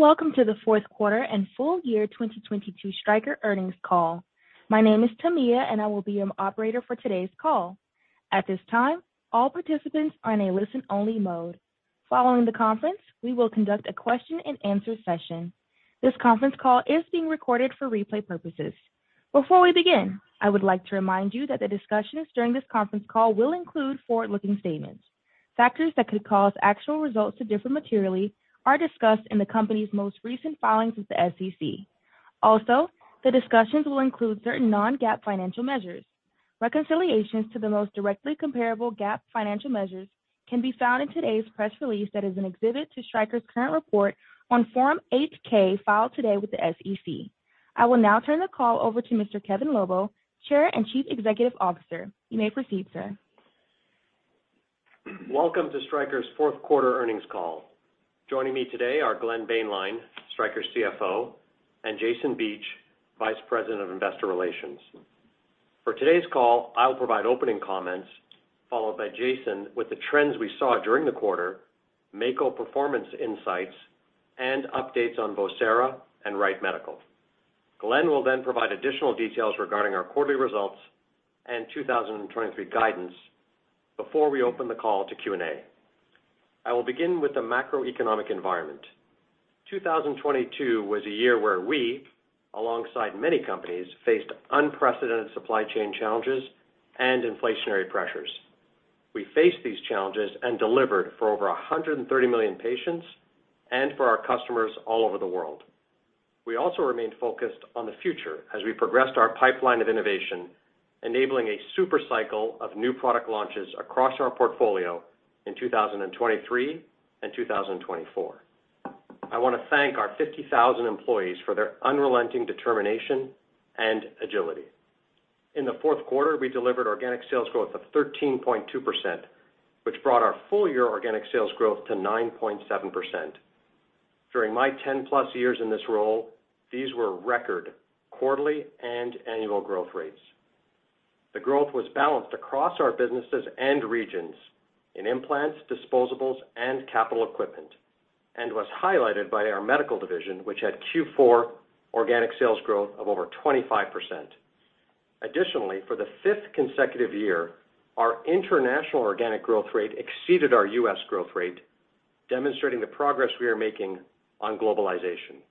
Welcome to the fourth quarter and full-year 2022 Stryker earnings call. My name is Tamia, and I will be your operator for today's call. At this time, all participants are in a listen-only mode. Following the conference, we will conduct a question-and-answer session. This conference call is being recorded for replay purposes. Before we begin, I would like to remind you that the discussions during this conference call will include forward-looking statements. Factors that could cause actual results to differ materially are discussed in the company's most recent filings with the SEC. The discussions will include certain non-GAAP financial measures. Reconciliations to the most directly comparable GAAP financial measures can be found in today's press release that is an exhibit to Stryker's current report on Form 8-K filed today with the SEC. I will now turn the call over to Mr. Kevin Lobo, Chair and Chief Executive Officer. You may proceed, sir. Welcome to Stryker's fourth quarter earnings call. Joining me today are Glenn Boehnlein, Stryker's CFO, and Jason Beach, Vice President of Investor Relations. For today's call, I'll provide opening comments, followed by Jason with the trends we saw during the quarter, Mako performance insights, and updates on Vocera and Wright Medical. Glenn will then provide additional details regarding our quarterly results and 2023 guidance before we open the call to Q&A. I will begin with the macroeconomic environment. 2022 was a year where we, alongside many companies, faced unprecedented supply chain challenges and inflationary pressures. We faced these challenges and delivered for over 130 million patients and for our customers all over the world. We also remained focused on the future as we progressed our pipeline of innovation, enabling a super cycle of new product launches across our portfolio in 2023 and 2024. I want to thank our 50,000 employees for their unrelenting determination and agility. In the fourth quarter, we delivered organic sales growth of 13.2%, which brought our full-year organic sales growth to 9.7%. During my 10+ years in this role, these were record quarterly and annual growth rates. The growth was balanced across our businesses and regions in implants, disposables, and capital equipment, and was highlighted by our medical division, which had Q4 organic sales growth of over 25%. For the 5th consecutive year, our international organic growth rate exceeded our U.S. growth rate, demonstrating the progress we are making on globalization.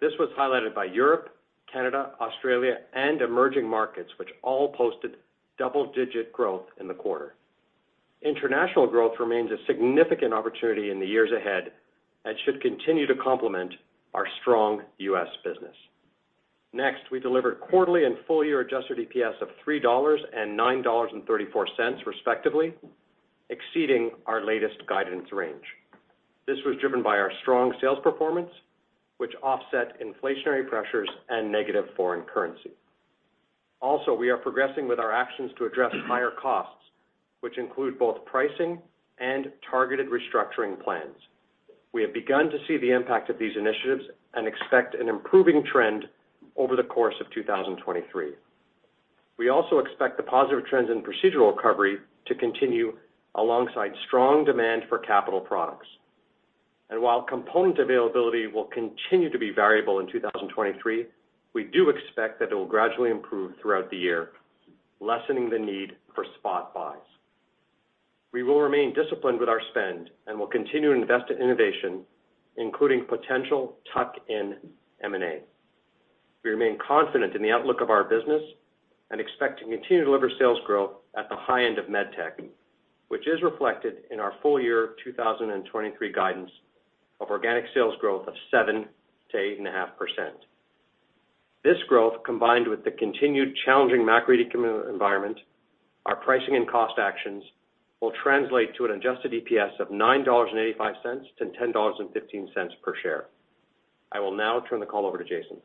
This was highlighted by Europe, Canada, Australia, and emerging markets, which all posted double-digit growth in the quarter. International growth remains a significant opportunity in the years ahead and should continue to complement our strong U.S. business. Next, we delivered quarterly and full-year Adjusted EPS of $3 and $9.34, respectively, exceeding our latest guidance range. This was driven by our strong sales performance, which offset inflationary pressures and negative foreign currency. Also, we are progressing with our actions to address higher costs, which include both pricing and targeted restructuring plans. We have begun to see the impact of these initiatives and expect an improving trend over the course of 2023. We also expect the positive trends in procedural recovery to continue alongside strong demand for capital products. While component availability will continue to be variable in 2023, we do expect that it will gradually improve throughout the year, lessening the need for spot buys. We will remain disciplined with our spend and will continue to invest in innovation, including potential tuck-in M&A. We remain confident in the outlook of our business and expect to continue to deliver sales growth at the high end of MedTech, which is reflected in our full-year 2023 guidance of organic sales growth of 7% to 8.5%. This growth, combined with the continued challenging macroeconomic environment, our pricing and cost actions will translate to an Adjusted EPS of $9.85-$10.15 per share. I will now turn the call over to Jason.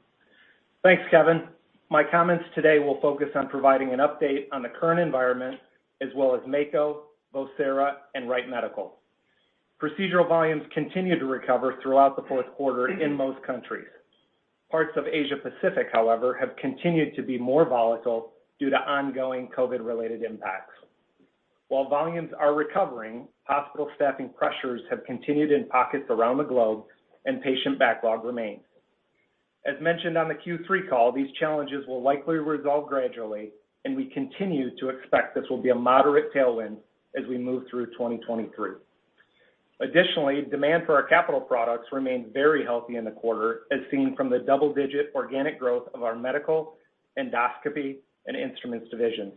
Thanks, Kevin. My comments today will focus on providing an update on the current environment as well as Mako, Vocera, and Wright Medical. Procedural volumes continued to recover throughout the fourth quarter in most countries. Parts of Asia-Pacific, however, have continued to be more volatile due to ongoing COVID-related impacts. While volumes are recovering, hospital staffing pressures have continued in pockets around the globe, and patient backlog remains. As mentioned on the Q3 call, these challenges will likely resolve gradually, and we continue to expect this will be a moderate tailwind as we move through 2023. Additionally, demand for our capital products remained very healthy in the quarter, as seen from the double-digit organic growth of our medical, endoscopy, and instruments divisions.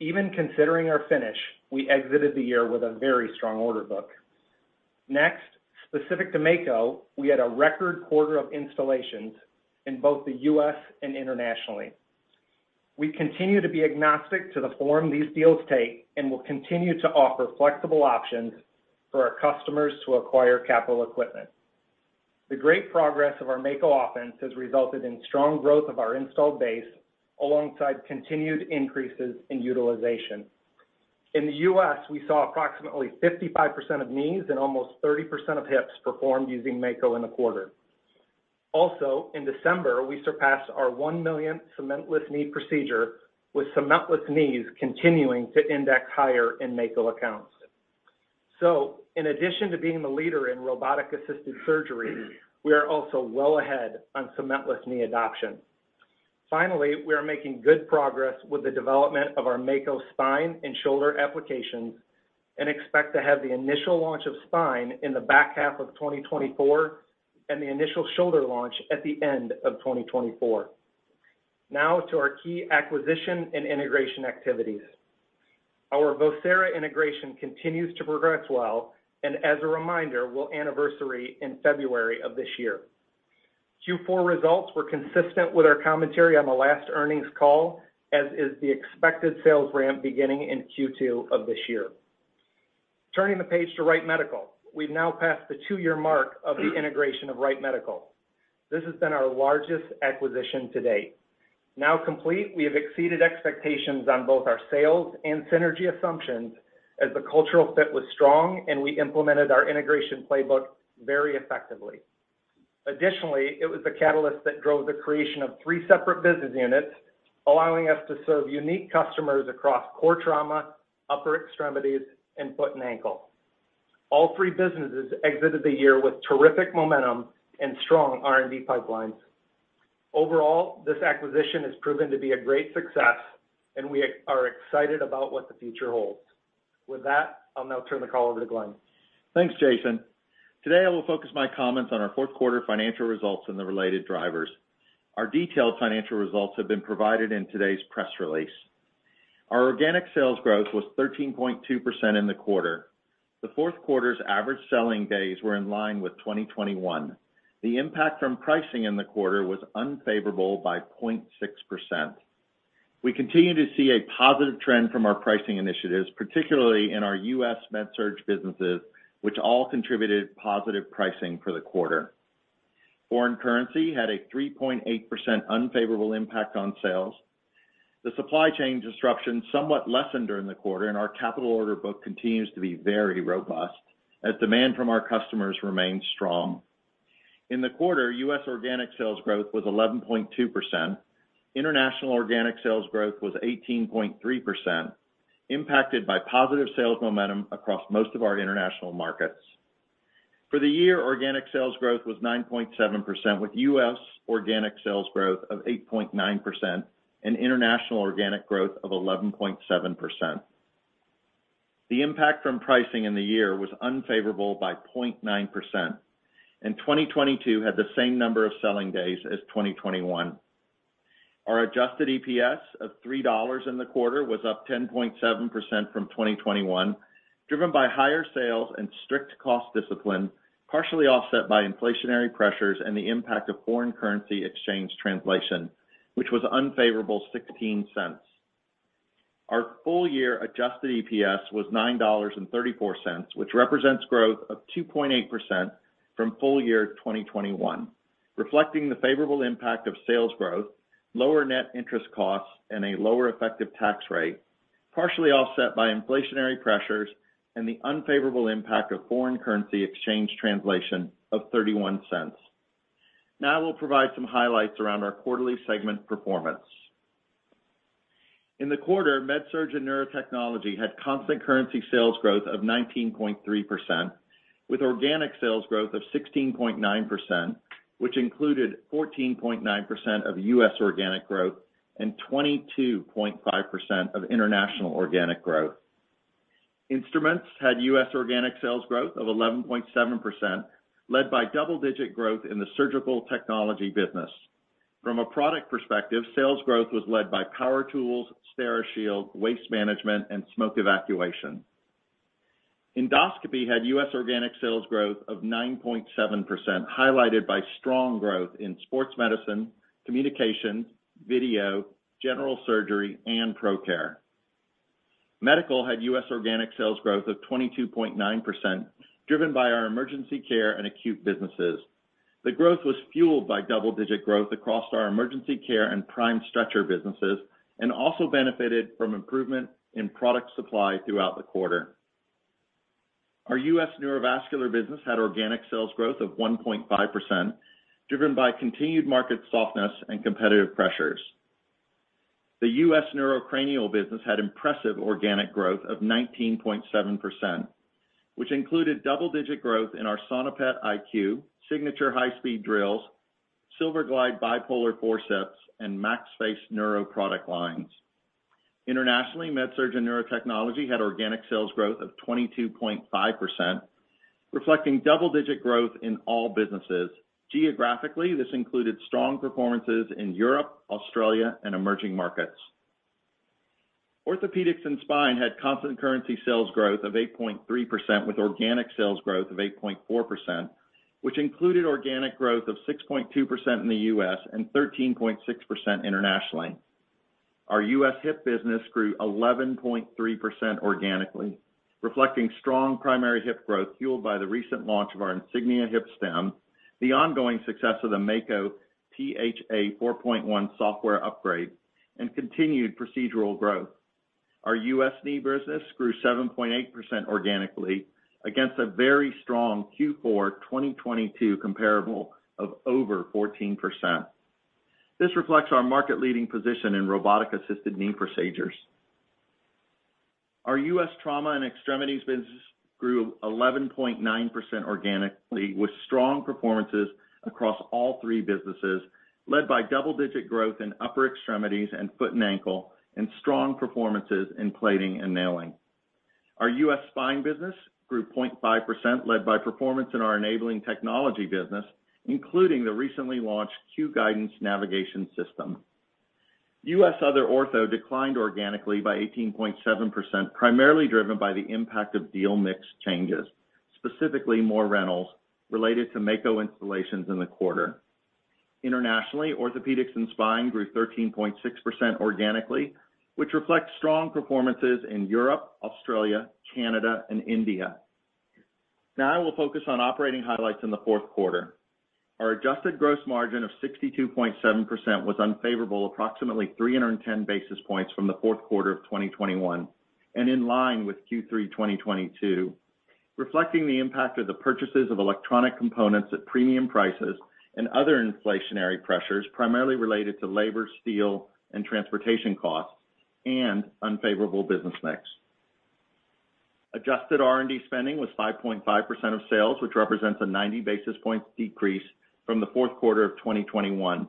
Even considering our finish, we exited the year with a very strong order book. Next, specific to Mako, we had a record quarter of installations in both the U.S. and internationally. We continue to be agnostic to the form these deals take and will continue to offer flexible options for our customers to acquire capital equipment. The great progress of our Mako offense has resulted in strong growth of our installed base alongside continued increases in utilization. In the U.S., we saw approximately 55% of knees and almost 30% of hips performed using Mako in the quarter. Also, in December, we surpassed our 1 millionth cementless knee procedure with cementless knees continuing to index higher in Mako accounts. In addition to being the leader in robotic-assisted surgery, we are also well ahead on cementless knee adoption. Finally, we are making good progress with the development of our Mako Spine and shoulder applications and expect to have the initial launch of spine in the back half of 2024 and the initial shoulder launch at the end of 2024. Now to our key acquisition and integration activities. Our Vocera integration continues to progress well and as a reminder, will anniversary in February of this year. Q4 results were consistent with our commentary on the last earnings call, as is the expected sales ramp beginning in Q2 of this year. Turning the page to Wright Medical. We've now passed the two-year mark of the integration of Wright Medical. This has been our largest acquisition to date. Now complete, we have exceeded expectations on both our sales and synergy assumptions as the cultural fit was strong, and we implemented our integration playbook very effectively. Additionally, it was the catalyst that drove the creation of three separate business units, allowing us to serve unique customers across core trauma, upper extremities, and foot and ankle. All three businesses exited the year with terrific momentum and strong R&D pipelines. Overall, this acquisition has proven to be a great success, and we are excited about what the future holds. With that, I'll now turn the call over to Glenn. Thanks, Jason. Today, I will focus my comments on our fourth quarter financial results and the related drivers. Our detailed financial results have been provided in today's press release. Our organic sales growth was 13.2% in the quarter. The fourth quarter's average selling days were in line with 2021. The impact from pricing in the quarter was unfavorable by 0.6%. We continue to see a positive trend from our pricing initiatives, particularly in our US MedSurg businesses, which all contributed positive pricing for the quarter. Foreign currency had a 3.8% unfavorable impact on sales. The supply chain disruption somewhat lessened during the quarter, and our capital order book continues to be very robust as demand from our customers remains strong. In the quarter, US organic sales growth was 11.2%. International organic sales growth was 18.3%, impacted by positive sales momentum across most of our international markets. For the year, organic sales growth was 9.7%, with U.S. organic sales growth of 8.9% and international organic growth of 11.7%. The impact from pricing in the year was unfavorable by 0.9%. 2022 had the same number of selling days as 2021. Our Adjusted EPS of $3 in the quarter was up 10.7% from 2021, driven by higher sales and strict cost discipline, partially offset by inflationary pressures and the impact of foreign currency exchange translation, which was unfavorable $0.16. Our full-year Adjusted EPS was $9.34, which represents growth of 2.8% from full-year 2021, reflecting the favorable impact of sales growth, lower net interest costs, and a lower effective tax rate, partially offset by inflationary pressures and the unfavorable impact of foreign currency exchange translation of $0.31. We'll provide some highlights around our quarterly segment performance. In the quarter, MedSurg and Neurotechnology had constant currency sales growth of 19.3%, with organic sales growth of 16.9%, which included 14.9% of U.S. organic growth and 22.5% of international organic growth. Instruments had U.S. organic sales growth of 11.7%, led by double-digit growth in the surgical technology business. From a product perspective, sales growth was led by power tools, Steri-Shield, waste management, and smoke evacuation. Endoscopy had U.S. organic sales growth of 9.7%, highlighted by strong growth in sports medicine, communication, video, general surgery, and ProCare. Medical had U.S. organic sales growth of 22.9%, driven by our emergency care and acute businesses. The growth was fueled by double-digit growth across our emergency care and prime stretcher businesses and also benefited from improvement in product supply throughout the quarter. Our U.S. neurovascular business had organic sales growth of 1.5%, driven by continued market softness and competitive pressures. The U.S. neurocranial business had impressive organic growth of 19.7%, which included double-digit growth in our Sonopet iQ, Signature high-speed drills, SILVERGlide bipolar forceps, and MaxFace Neuro product lines. Internationally, MedSurg and Neurotechnology had organic sales growth of 22.5%, reflecting double-digit growth in all businesses. Geographically, this included strong performances in Europe, Australia, and emerging markets. Orthopaedics and Spine had constant currency sales growth of 8.3% with organic sales growth of 8.4%, which included organic growth of 6.2% in the U.S. and 13.6% internationally. Our U.S. hip business grew 11.3% organically, reflecting strong primary hip growth fueled by the recent launch of our Insignia hip stem, the ongoing success of the Mako THA 4.1 software upgrade, and continued procedural growth. Our U.S. knee business grew 7.8% organically against a very strong Q4 2022 comparable of over 14%. This reflects our market-leading position in robotic-assisted knee procedures. Our U.S. trauma and extremities business grew 11.9% organically, with strong performances across all three businesses, led by double-digit growth in upper extremities and foot and ankle, and strong performances in plating and nailing. Our U.S. spine business grew 0.5%, led by performance in our enabling technology business, including the recently launched Q Guidance navigation system. U.S. other ortho declined organically by 18.7%, primarily driven by the impact of deal mix changes, specifically more rentals related to Mako installations in the quarter. Internationally, Orthopaedics and Spine grew 13.6% organically, which reflects strong performances in Europe, Australia, Canada, and India. Now I will focus on operating highlights in the fourth quarter. Our Adjusted Gross Margin of 62.7% was unfavorable approximately 310 basis points from the fourth quarter of 2021 and in line with Q3 2022, reflecting the impact of the purchases of electronic components at premium prices and other inflationary pressures, primarily related to labor, steel, and transportation costs and unfavorable business mix. Adjusted R&D spending was 5.5% of sales, which represents a 90 basis points decrease from the fourth quarter of 2021.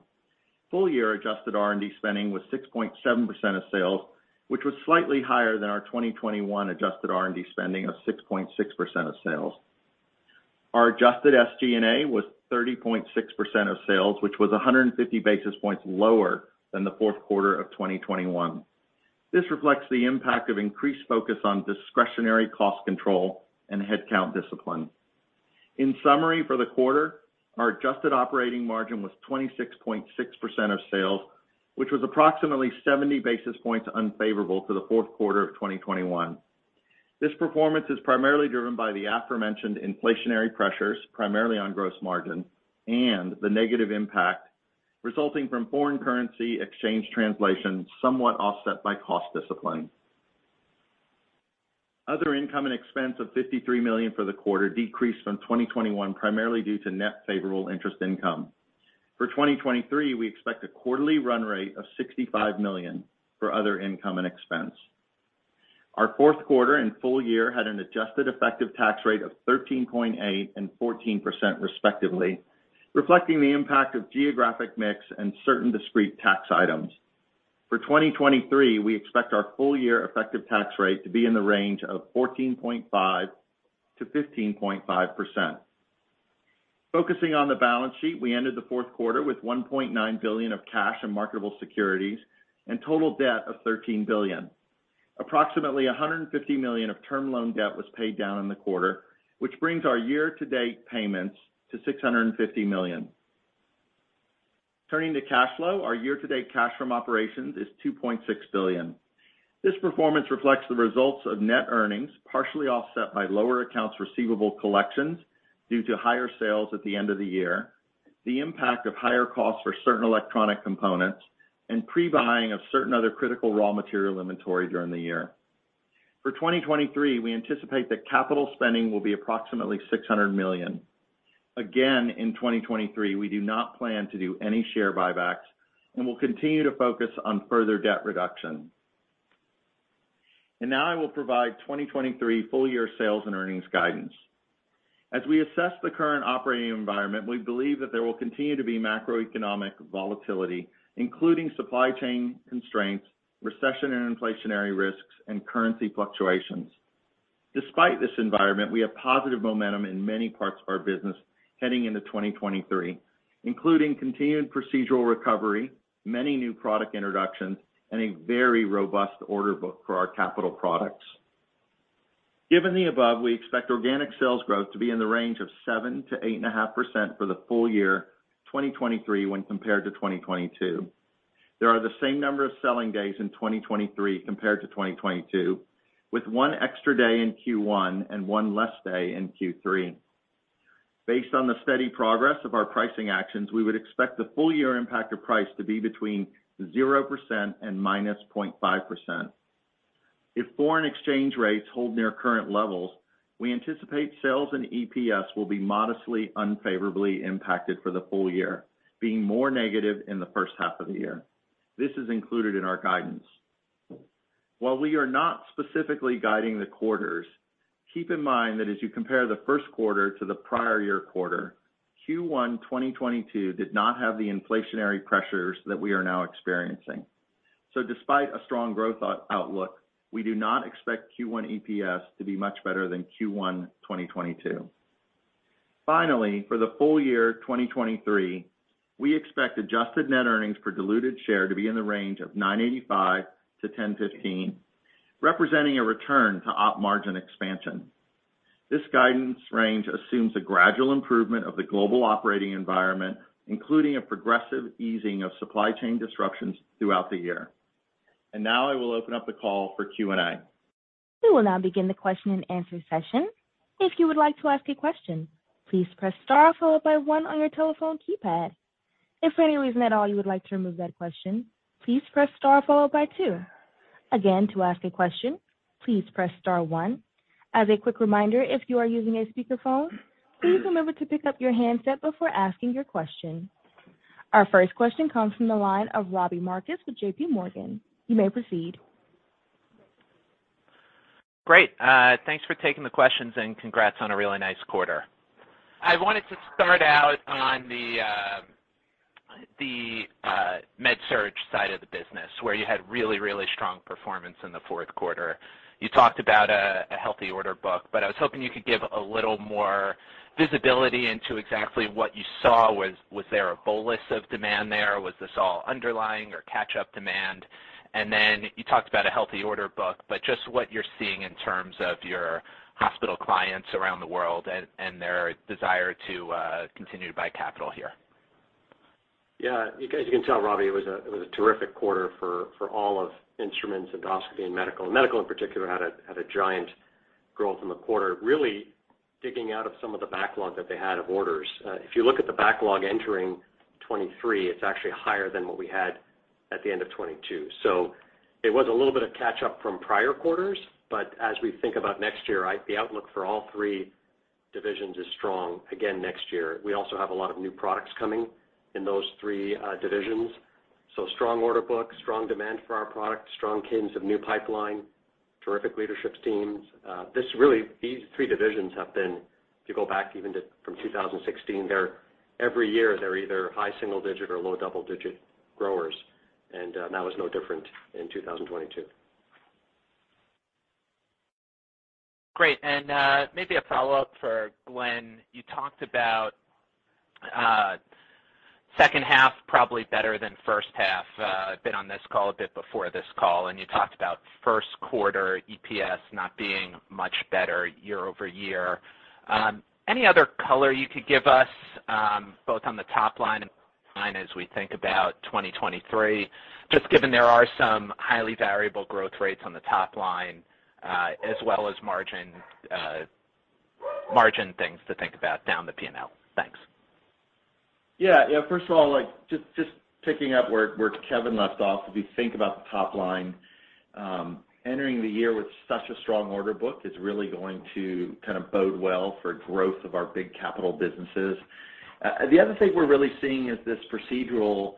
full-year Adjusted R&D spending was 6.7% of sales, which was slightly higher than our 2021 Adjusted R&D spending of 6.6% of sales. Our Adjusted SG&A was 30.6% of sales, which was 150 basis points lower than the fourth quarter of 2021. This reflects the impact of increased focus on discretionary cost control and headcount discipline. In summary, for the quarter, our Adjusted Operating Margin was 26.6% of sales, which was approximately 70 basis points unfavorable to the fourth quarter of 2021. This performance is primarily driven by the aforementioned inflationary pressures, primarily on gross margin and the negative impact resulting from foreign currency exchange translation, somewhat offset by cost discipline. Other income and expense of $53 million for the quarter decreased from 2021, primarily due to net favorable interest income. For 2023, we expect a quarterly run rate of $65 million for other income and expense. Our fourth quarter and full-year had an Adjusted Effective Tax rate of 13.8% and 14%, respectively, reflecting the impact of geographic mix and certain discrete tax items. For 2023, we expect our full-year effective tax rate to be in the range of 14.5%-15.5%. Focusing on the balance sheet, we ended the fourth quarter with $1.9 billion of cash and marketable securities and total debt of $13 billion. Approximately $150 million of term loan debt was paid down in the quarter, which brings our year-to-date payments to $650 million. Turning to cash flow, our year-to-date cash from operations is $2.6 billion. This performance reflects the results of net earnings, partially offset by lower accounts receivable collections due to higher sales at the end of the year, the impact of higher costs for certain electronic components, and pre-buying of certain other critical raw material inventory during the year. For 2023, we anticipate that capital spending will be approximately $600 million. In 2023, we do not plan to do any share buybacks, we'll continue to focus on further debt reduction. Now I will provide 2023 full-year sales and earnings guidance. As we assess the current operating environment, we believe that there will continue to be macroeconomic volatility, including supply chain constraints, recession and inflationary risks, and currency fluctuations. Despite this environment, we have positive momentum in many parts of our business heading into 2023, including continued procedural recovery, many new product introductions, and a very robust order book for our capital products. Given the above, we expect organic sales growth to be in the range of 7% to 8.5% for the full-year 2023 when compared to 2022. There are the same number of selling days in 2023 compared to 2022, with one extra day in Q1 and one less day in Q3. Based on the steady progress of our pricing actions, we would expect the full-year impact of price to be between 0% and minus 0.5%. If foreign exchange rates hold near current levels, we anticipate sales and EPS will be modestly unfavorably impacted for the full-year, being more negative in the first half of the year. This is included in our guidance. While we are not specifically guiding the quarters, keep in mind that as you compare the first quarter to the prior year quarter, Q1 2022 did not have the inflationary pressures that we are now experiencing. Despite a strong growth out-outlook, we do not expect Q1 EPS to be much better than Q1 2022. Finally, for the full-year 2023, we expect adjusted net earnings per diluted share to be in the range of $9.85-$10.15, representing a return to op margin expansion. This guidance range assumes a gradual improvement of the global operating environment, including a progressive easing of supply chain disruptions throughout the year. Now I will open up the call for Q&A. We will now begin the question-and-answer session. If you would like to ask a question, please press star followed by one on your telephone keypad. If for any reason at all you would like to remove that question, please press star followed by two. Again, to ask a question, please press star one. As a quick reminder, if you are using a speakerphone, please remember to pick up your handset before asking your question. Our first question comes from the line of Robbie Marcus with JPMorgan. You may proceed. Great. Thanks for taking the questions, and congrats on a really nice quarter. I wanted to start out on the MedSurg side of the business, where you had really, really strong performance in the fourth quarter. You talked about a healthy order book, but I was hoping you could give a little more visibility into exactly what you saw. Was there a bolus of demand there? Was this all underlying or catch-up demand? You talked about a healthy order book, but just what you're seeing in terms of your hospital clients around the world and their desire to continue to buy capital here? As you can tell, Robbie, it was a terrific quarter for all of instruments, endoscopy and medical. Medical, in particular, had a giant growth in the quarter, really digging out of some of the backlog that they had of orders. If you look at the backlog entering 23, it's actually higher than what we had at the end of 22. It was a little bit of catch up from prior quarters, but as we think about next year, the outlook for all three divisions is strong again next year. We also have a lot of new products coming in those three divisions. Strong order books, strong demand for our products, strong cadence of new pipeline, terrific leadership teams. This really, these three divisions have been, if you go back even to from 2016, they're, every year, they're either high single-digit or low double-digit growers. That was no different in 2022. Great. Maybe a follow-up for Glenn. You talked about second half probably better than first half. I've been on this call a bit before this call, and you talked about first quarter EPS not being much better year-over-year. Any other color you could give us, both on the top line and bottom line as we think about 2023, just given there are some highly variable growth rates on the top line, as well as margin things to think about down the P&L? Thanks. Yeah. Yeah. First of all, like, just picking up where Kevin left off, if you think about the top line, entering the year with such a strong order book is really going to kind of bode well for growth of our big capital businesses. The other thing we're really seeing is this procedural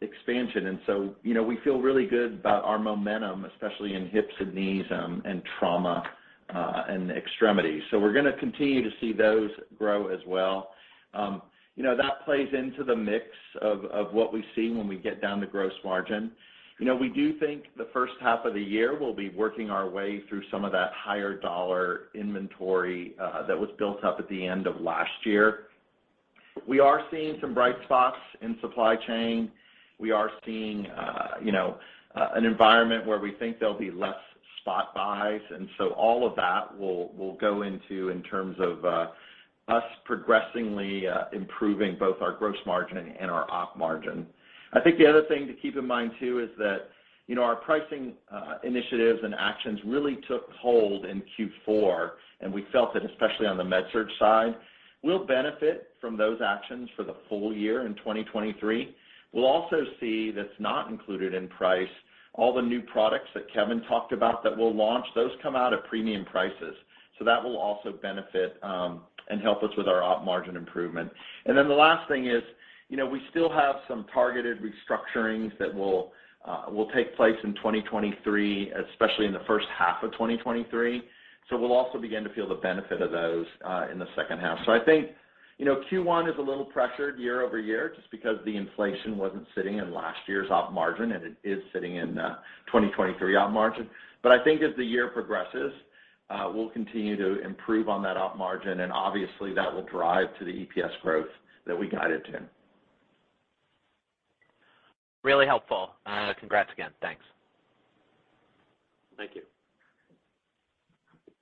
expansion. You know, we feel really good about our momentum, especially in hips and knees, and trauma, and extremities. We're going to continue to see those grow as well. You know, that plays into the mix of what we see when we get down to gross margin. You know, we do think the first half of the year we'll be working our way through some of that higher dollar inventory that was built up at the end of last year. We are seeing some bright spots in supply chain. We are seeing, you know, an environment where we think there'll be less spot buys. So all of that will go into in terms of us progressively improving both our gross margin and our Operating Margin. I think the other thing to keep in mind too is that, you know, our pricing initiatives and actions really took hold in Q4, and we felt that especially on the MedSurg side, we'll benefit from those actions for the full-year in 2023. We'll also see that's not included in price all the new products that Kevin talked about that we'll launch. Those come out at premium prices, so that will also benefit and help us with our Operating Margin improvement. The last thing is, you know, we still have some targeted restructurings that will take place in 2023, especially in the first half of 2023. We'll also begin to feel the benefit of those in the second half. I think, you know, Q1 is a little pressured year-over-year just because the inflation wasn't sitting in last year's Operating Margin, and it is sitting in 2023 Operating Margin. I think as the year progresses, we'll continue to improve on that Operating Margin, and obviously that will drive to the EPS growth that we guided to. Really helpful. Congrats again. Thanks. Thank you.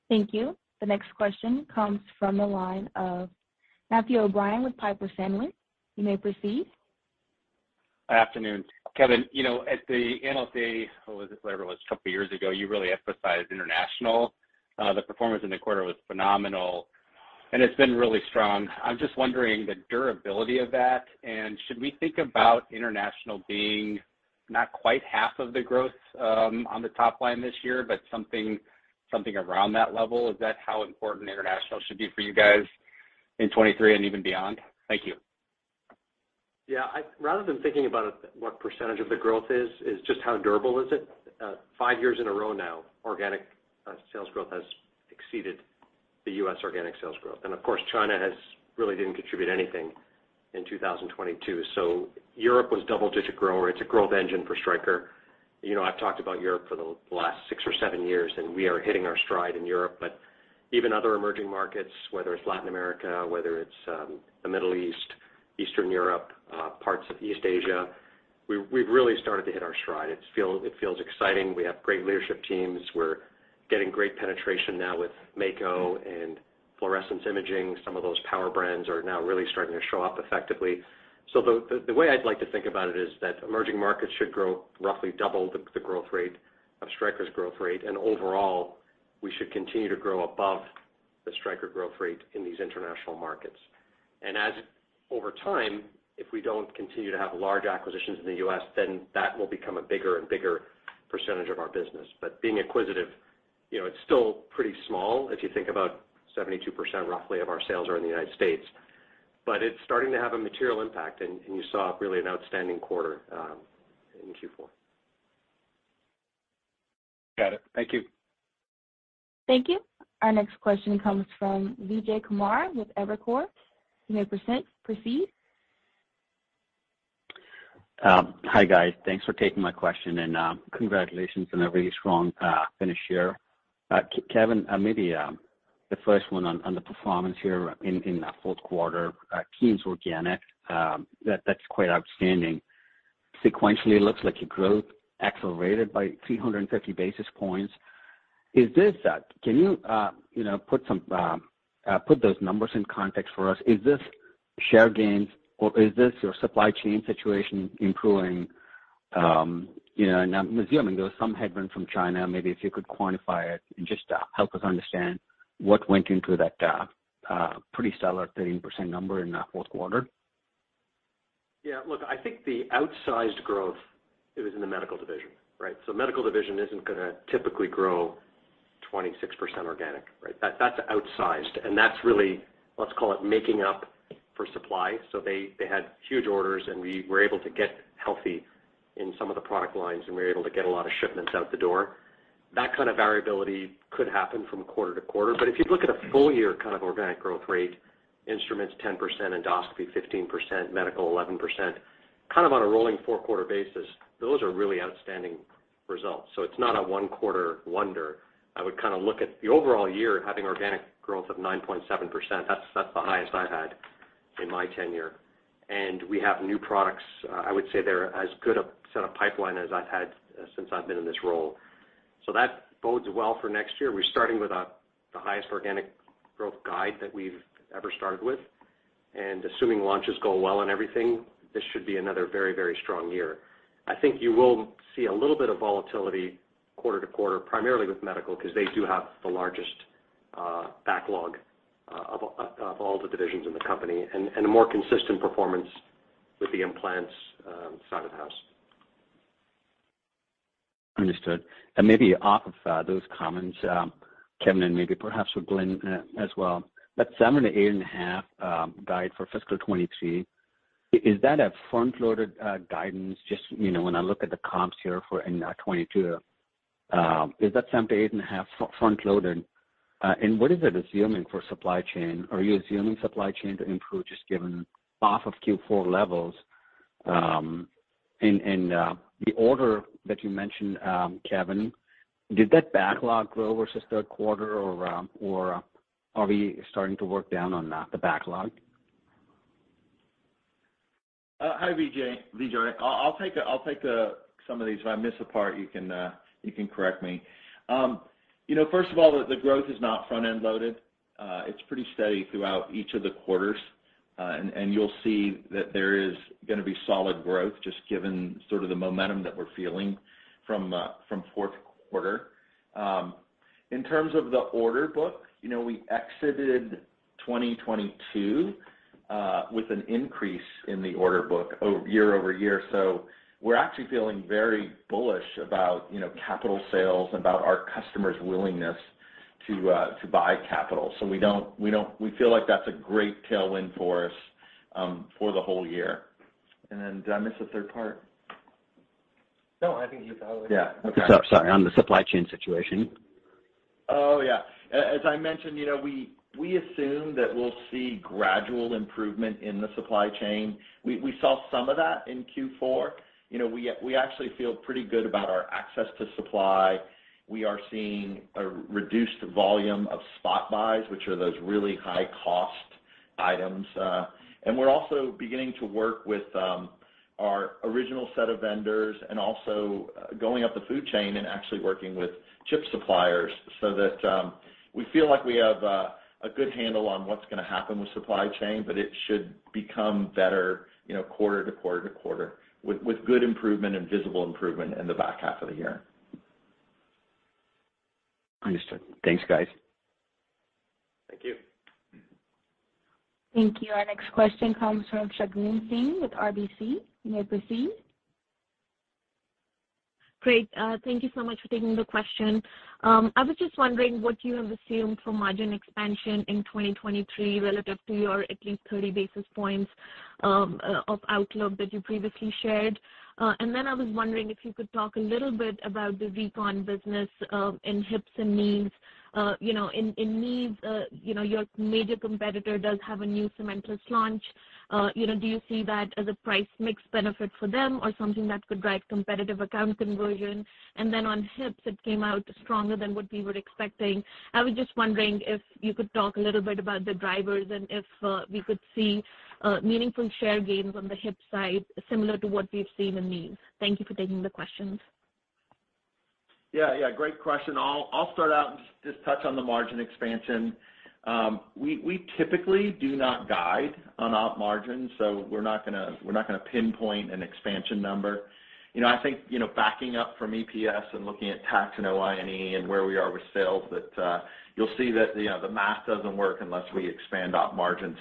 Thank you. The next question comes from the line of Matthew O'Brien with Piper Sandler. You may proceed. Afternoon. Kevin, you know, at the analyst day, what was it? Whatever it was, a couple of years ago, you really emphasized international. The performance in the quarter was phenomenal, and it's been really strong. I'm just wondering the durability of that. Should we think about international being not quite half of the growth on the top line this year, but something around that level? Is that how important international should be for you guys in 2023 and even beyond? Thank you. Yeah. Rather than thinking about what percentage of the growth is, just how durable is it. Five years in a row now, organic sales growth has exceeded the U.S. organic sales growth. Of course, China has really didn't contribute anything in 2022. Europe was double-digit grower. It's a growth engine for Stryker. You know, I've talked about Europe for the last six or seven years, and we are hitting our stride in Europe. Even other emerging markets, whether it's Latin America, whether it's the Middle East, Eastern Europe, parts of East Asia, we've really started to hit our stride. It feels exciting. We have great leadership teams. We're getting great penetration now with Mako and Fluorescence imaging, some of those power brands are now really starting to show up effectively. The way I'd like to think about it is that emerging markets should grow roughly double the growth rate of Stryker's growth rate. Overall, we should continue to grow above the Stryker growth rate in these international markets. As over time, if we don't continue to have large acquisitions in the US, then that will become a bigger and bigger percentage of our business. Being acquisitive, you know, it's still pretty small if you think about 72% roughly of our sales are in the United States. It's starting to have a material impact, and you saw really an outstanding quarter in Q4. Got it. Thank you. Thank you. Our next question comes from Vijay Kumar with Evercore. You may proceed. Hi, guys. Thanks for taking my question, congratulations on a really strong finish year. Kevin, maybe the first one on the performance here in the Q4, teams organic, that's quite outstanding. Sequentially, it looks like your growth accelerated by 350 basis points. Can you know, put some put those numbers in context for us? Is this share gains, or is this your supply chain situation improving? You know, I'm assuming there was some headwind from China, maybe if you could quantify it and just help us understand what went into that pretty stellar 13% number in that Q4. Look, I think the outsized growth is in the medical division, right? Medical division isn't gonna typically grow 26% organic, right? That's outsized, and that's really, let's call it, making up for supply. They had huge orders, and we were able to get healthy in some of the product lines, and we were able to get a lot of shipments out the door. That kind of variability could happen from quarter to quarter. If you look at a full-year kind of organic growth rate, instruments 10%, endoscopy 15%, medical 11%, kind of on a rolling 4-quarter basis, those are really outstanding results. It's not a 1-quarter wonder. I would kind of look at the overall year having organic growth of 9.7%. That's, that's the highest I've had in my tenure. We have new products, I would say they're as good a set of pipeline as I've had since I've been in this role. That bodes well for next year. We're starting with the highest organic growth guide that we've ever started with. Assuming launches go well and everything, this should be another very, very strong year. You will see a little bit of volatility quarter to quarter, primarily with medical, because they do have the largest backlog of all the divisions in the company, and a more consistent performance with the implants side of the house. Understood. Maybe off of those comments, Kevin, and maybe perhaps for Glenn, as well. That 7-8.5 guide for fiscal 2023, is that a front-loaded guidance? Just, you know, when I look at the comps here for in 2022, is that 7-8.5 front-loaded? What is it assuming for supply chain? Are you assuming supply chain to improve just given off of Q4 levels? The order that you mentioned, Kevin, did that backlog grow versus third quarter or are we starting to work down on that, the backlog? Hi, Vijay. Vijay, I'll take some of these. If I miss a part, you can correct me. You know, first of all, the growth is not front-end loaded. It's pretty steady throughout each of the quarters. You'll see that there is gonna be solid growth just given sort of the momentum that we're feeling from fourth quarter. In terms of the order book, you know, we exited 2022 with an increase in the order book over year-over-year. We don't. We feel like that's a great tailwind for us for the whole year. Then did I miss the third part? No, I think you covered it. Yeah. Okay. sorry. On the supply chain situation. Oh, yeah. As I mentioned, you know, we assume that we'll see gradual improvement in the supply chain. We saw some of that in Q4. You know, we actually feel pretty good about our access to supply. We are seeing a reduced volume of spot buys, which are those really high-cost items. We're also beginning to work with our original set of vendors and also going up the food chain and actually working with chip suppliers so that we feel like we have a good handle on what's gonna happen with supply chain, but it should become better, you know, quarter to quarter to quarter with good improvement and visible improvement in the back half of the year. Understood. Thanks, guys. Thank you. Thank you. Our next question comes from Shagun Singh with RBC. You may proceed. Great. Thank you so much for taking the question. I was just wondering what you have assumed for margin expansion in 2023 relative to your at least 30 basis points of outlook that you previously shared. I was wondering if you could talk a little bit about the recon business in hips and knees. You know, in knees, you know, your major competitor does have a new cementless launch. You know, do you see that as a price mix benefit for them or something that could drive competitive account conversion? On hips, it came out stronger than what we were expecting. I was just wondering if you could talk a little bit about the drivers and if we could see meaningful share gains on the hip side similar to what we've seen in knees. Thank you for taking the questions. Yeah, great question. I'll start out and just touch on the margin expansion. We typically do not guide on op margins, so we're not gonna, we're not gonna pinpoint an expansion number. You know, I think, you know, backing up from EPS and looking at tax and OI and E and where we are with sales that you'll see that the math doesn't work unless we expand op margin.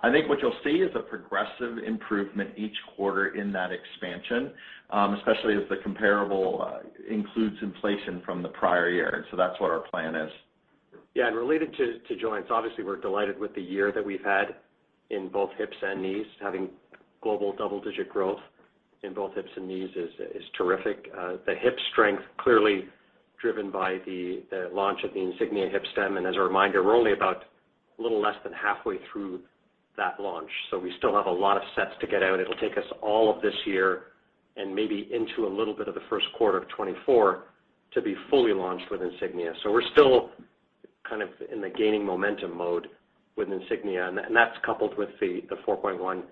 I think what you'll see is a progressive improvement each quarter in that expansion, especially as the comparable includes inflation from the prior year. That's what our plan is. Yeah. Related to joints, obviously, we're delighted with the year that we've had in both hips and knees. Having global double-digit growth in both hips and knees is terrific. The hip strength clearly driven by the launch of the Insignia hip stem. As a reminder, we're only about a little less than halfway through that launch. We still have a lot of sets to get out. It'll take us all of this year and maybe into a little bit of the first quarter of 2024 to be fully launched with Insignia. We're still kind of in the gaining momentum mode with Insignia, and that's coupled with the 4.1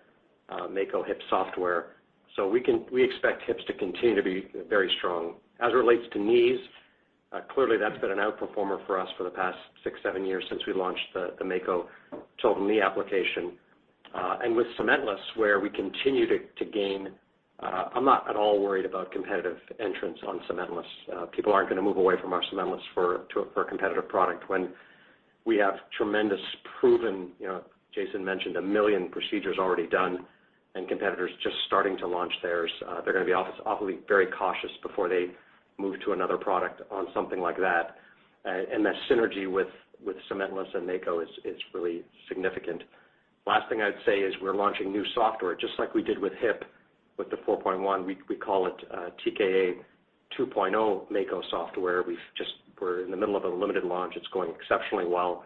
Mako hip software. We expect hips to continue to be very strong. As it relates to knees, clearly that's been an outperformer for us for the past six, seven years since we launched the Mako Total Knee application. With cementless, where we continue to gain, I'm not at all worried about competitive entrants on cementless. People aren't gonna move away from our cementless for a competitive product when we have tremendous proven, you know, Jason mentioned 1 million procedures already done and competitors just starting to launch theirs. They're gonna be obviously very cautious before they move to another product on something like that. That synergy with cementless and Mako is really significant. Last thing I'd say is we're launching new software, just like we did with hip with the 4.1. We call it TKA 2.0 Mako software. We're in the middle of a limited launch. It's going exceptionally well.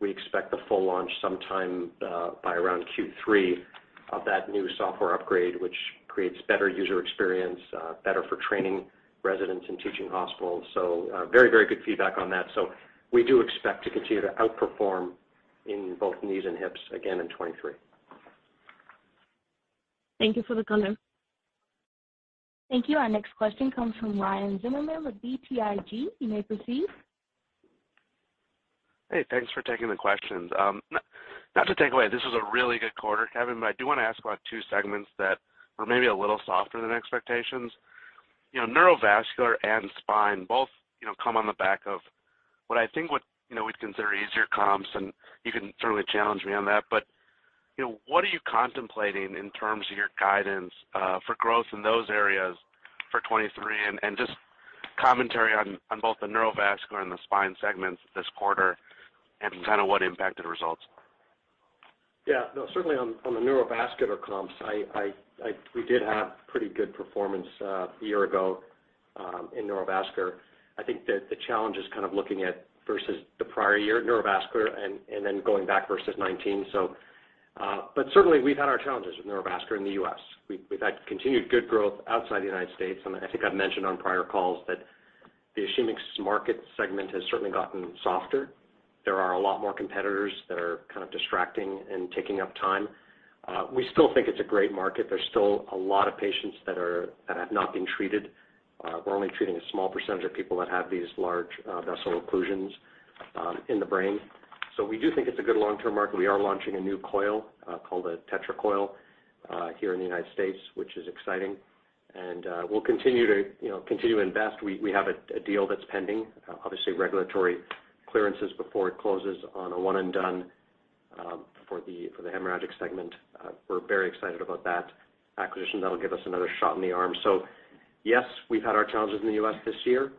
We expect the full launch sometime by around Q3 of that new software upgrade, which creates better user experience, better for training residents and teaching hospitals. Very good feedback on that. We do expect to continue to outperform in both knees and hips again in 2023. Thank you for the color. Thank you. Our next question comes from Ryan Zimmerman with BTIG. You may proceed. Hey, Thanks for taking the questions. Not to take away, this was a really good quarter, Kevin, I do wanna ask about two segments that were maybe a little softer than expectations. You know, neurovascular and spine both, you know, come on the back of what I think what, you know, we'd consider easier comps, and you can certainly challenge me on that. You know, what are you contemplating in terms of your guidance for growth in those areas for 2023? Just commentary on both the neurovascular and the spine segments this quarter and kind of what impacted results. Certainly on the neurovascular comps, we did have pretty good performance a year ago in neurovascular. I think that the challenge is kind of looking at versus the prior year neurovascular and then going back versus 2019. Certainly we've had our challenges with neurovascular in the U.S. We've had continued good growth outside the United States, and I think I've mentioned on prior calls that the ischemic market segment has certainly gotten softer. There are a lot more competitors that are kind of distracting and taking up time. We still think it's a great market. There's still a lot of patients that have not been treated. We're only treating a small percentage of people that have these large vessel occlusions in the brain. We do think it's a good long-term market. We are launching a new Coil, called a Tetra Coil, here in the United States, which is exciting. We'll continue to, you know, continue to invest. We have a deal that's pending, obviously regulatory clearances before it closes on a one and done, for the, for the hemorrhagic segment. We're very excited about that acquisition. That'll give us another shot in the arm. Yes, we've had our challenges in the U.S. this year.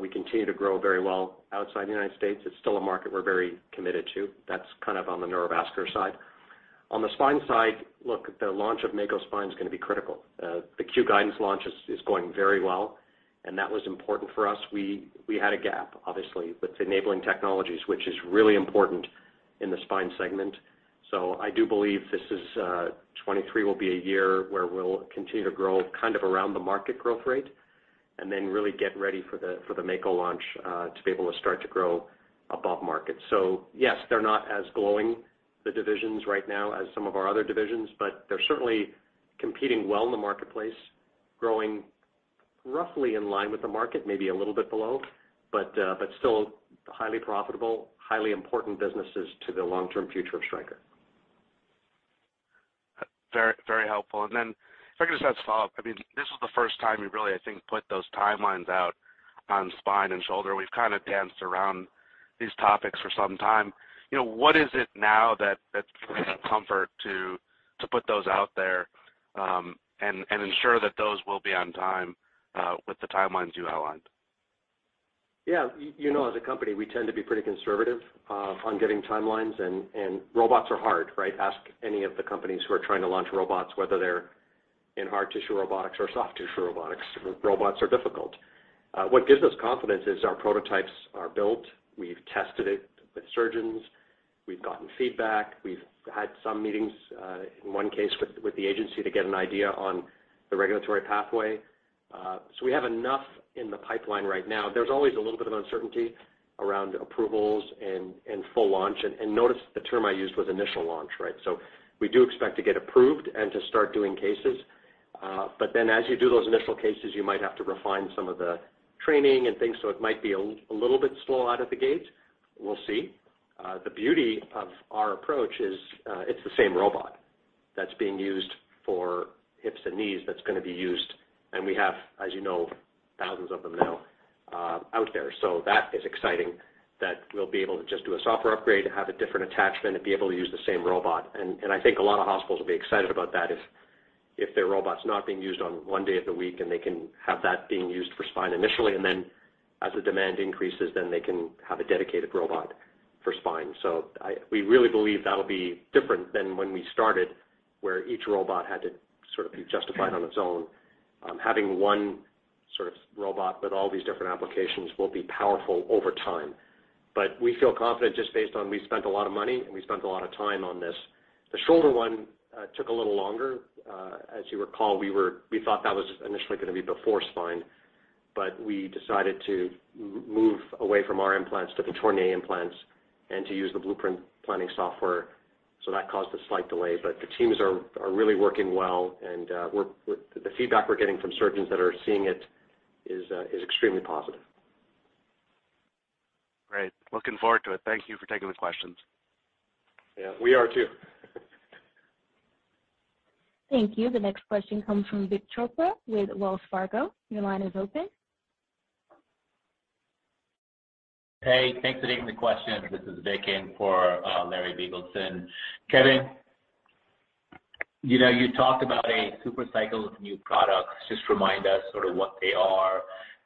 We continue to grow very well outside the United States. It's still a market we're very committed to. That's kind of on the neurovascular side. On the spine side, look, the launch of Mako Spine is gonna be critical. The Q Guidance launch is going very well, and that was important for us. We had a gap obviously with enabling technologies, which is really important in the spine segment. I do believe this is, 2023 will be a year where we'll continue to grow kind of around the market growth rate and then really get ready for the Mako launch to be able to start to grow above market. Yes, they're not as glowing, the divisions right now as some of our other divisions, but they're certainly competing well in the marketplace, growing roughly in line with the market, maybe a little bit below, but still highly profitable, highly important businesses to the long-term future of Stryker. Very, very helpful. If I could just ask a follow-up. I mean, this was the first time you really, I think, put those timelines out on spine and shoulder. We've kind of danced around these topics for some time. You know, what is it now that gives you comfort to put those out there, and ensure that those will be on time with the timelines you outlined? Yeah. You know, as a company, we tend to be pretty conservative on giving timelines, and robots are hard, right? Ask any of the companies who are trying to launch robots, whether they're in hard tissue robotics or soft tissue robotics. Robots are difficult. What gives us confidence is our prototypes are built. We've tested it with surgeons. We've gotten feedback. We've had some meetings with the agency to get an idea on the regulatory pathway. We have enough in the pipeline right now. There's always a little bit of uncertainty around approvals and full launch. Notice the term I used was initial launch, right? We do expect to get approved and to start doing cases. As you do those initial cases, you might have to refine some of the training and things. It might be a little bit slow out of the gate. We'll see. The beauty of our approach is, it's the same robot that's being used for hips and knees that's gonna be used. We have, as you know, thousands of them now out there. That is exciting that we'll be able to just do a software upgrade, have a different attachment, and be able to use the same robot. I think a lot of hospitals will be excited about that if their robot's not being used on one day of the week, and they can have that being used for spine initially. As the demand increases, they can have a dedicated robot for spine. We really believe that'll be different than when we started, where each robot had to sort of be justified on its own. Having one sort of robot with all these different applications will be powerful over time. We feel confident just based on we spent a lot of money, and we spent a lot of time on this. The shoulder one took a little longer. As you recall, we thought that was initially gonna be before spine, but we decided to move away from our implants to the Tornier implants and to use the Blueprint planning software. That caused a slight delay, but the teams are really working well, and the feedback we're getting from surgeons that are seeing it is extremely positive. Great. Looking forward to it. Thank you for taking the questions. Yeah, we are too. Thank you. The next question comes from Vik Chopra with Wells Fargo. Your line is open. Hey, Thanks for taking the question. This is Vik in for Larry Biegelsen. Kevin, you know, you talked about a super cycle of new products. Just remind us sort of what they are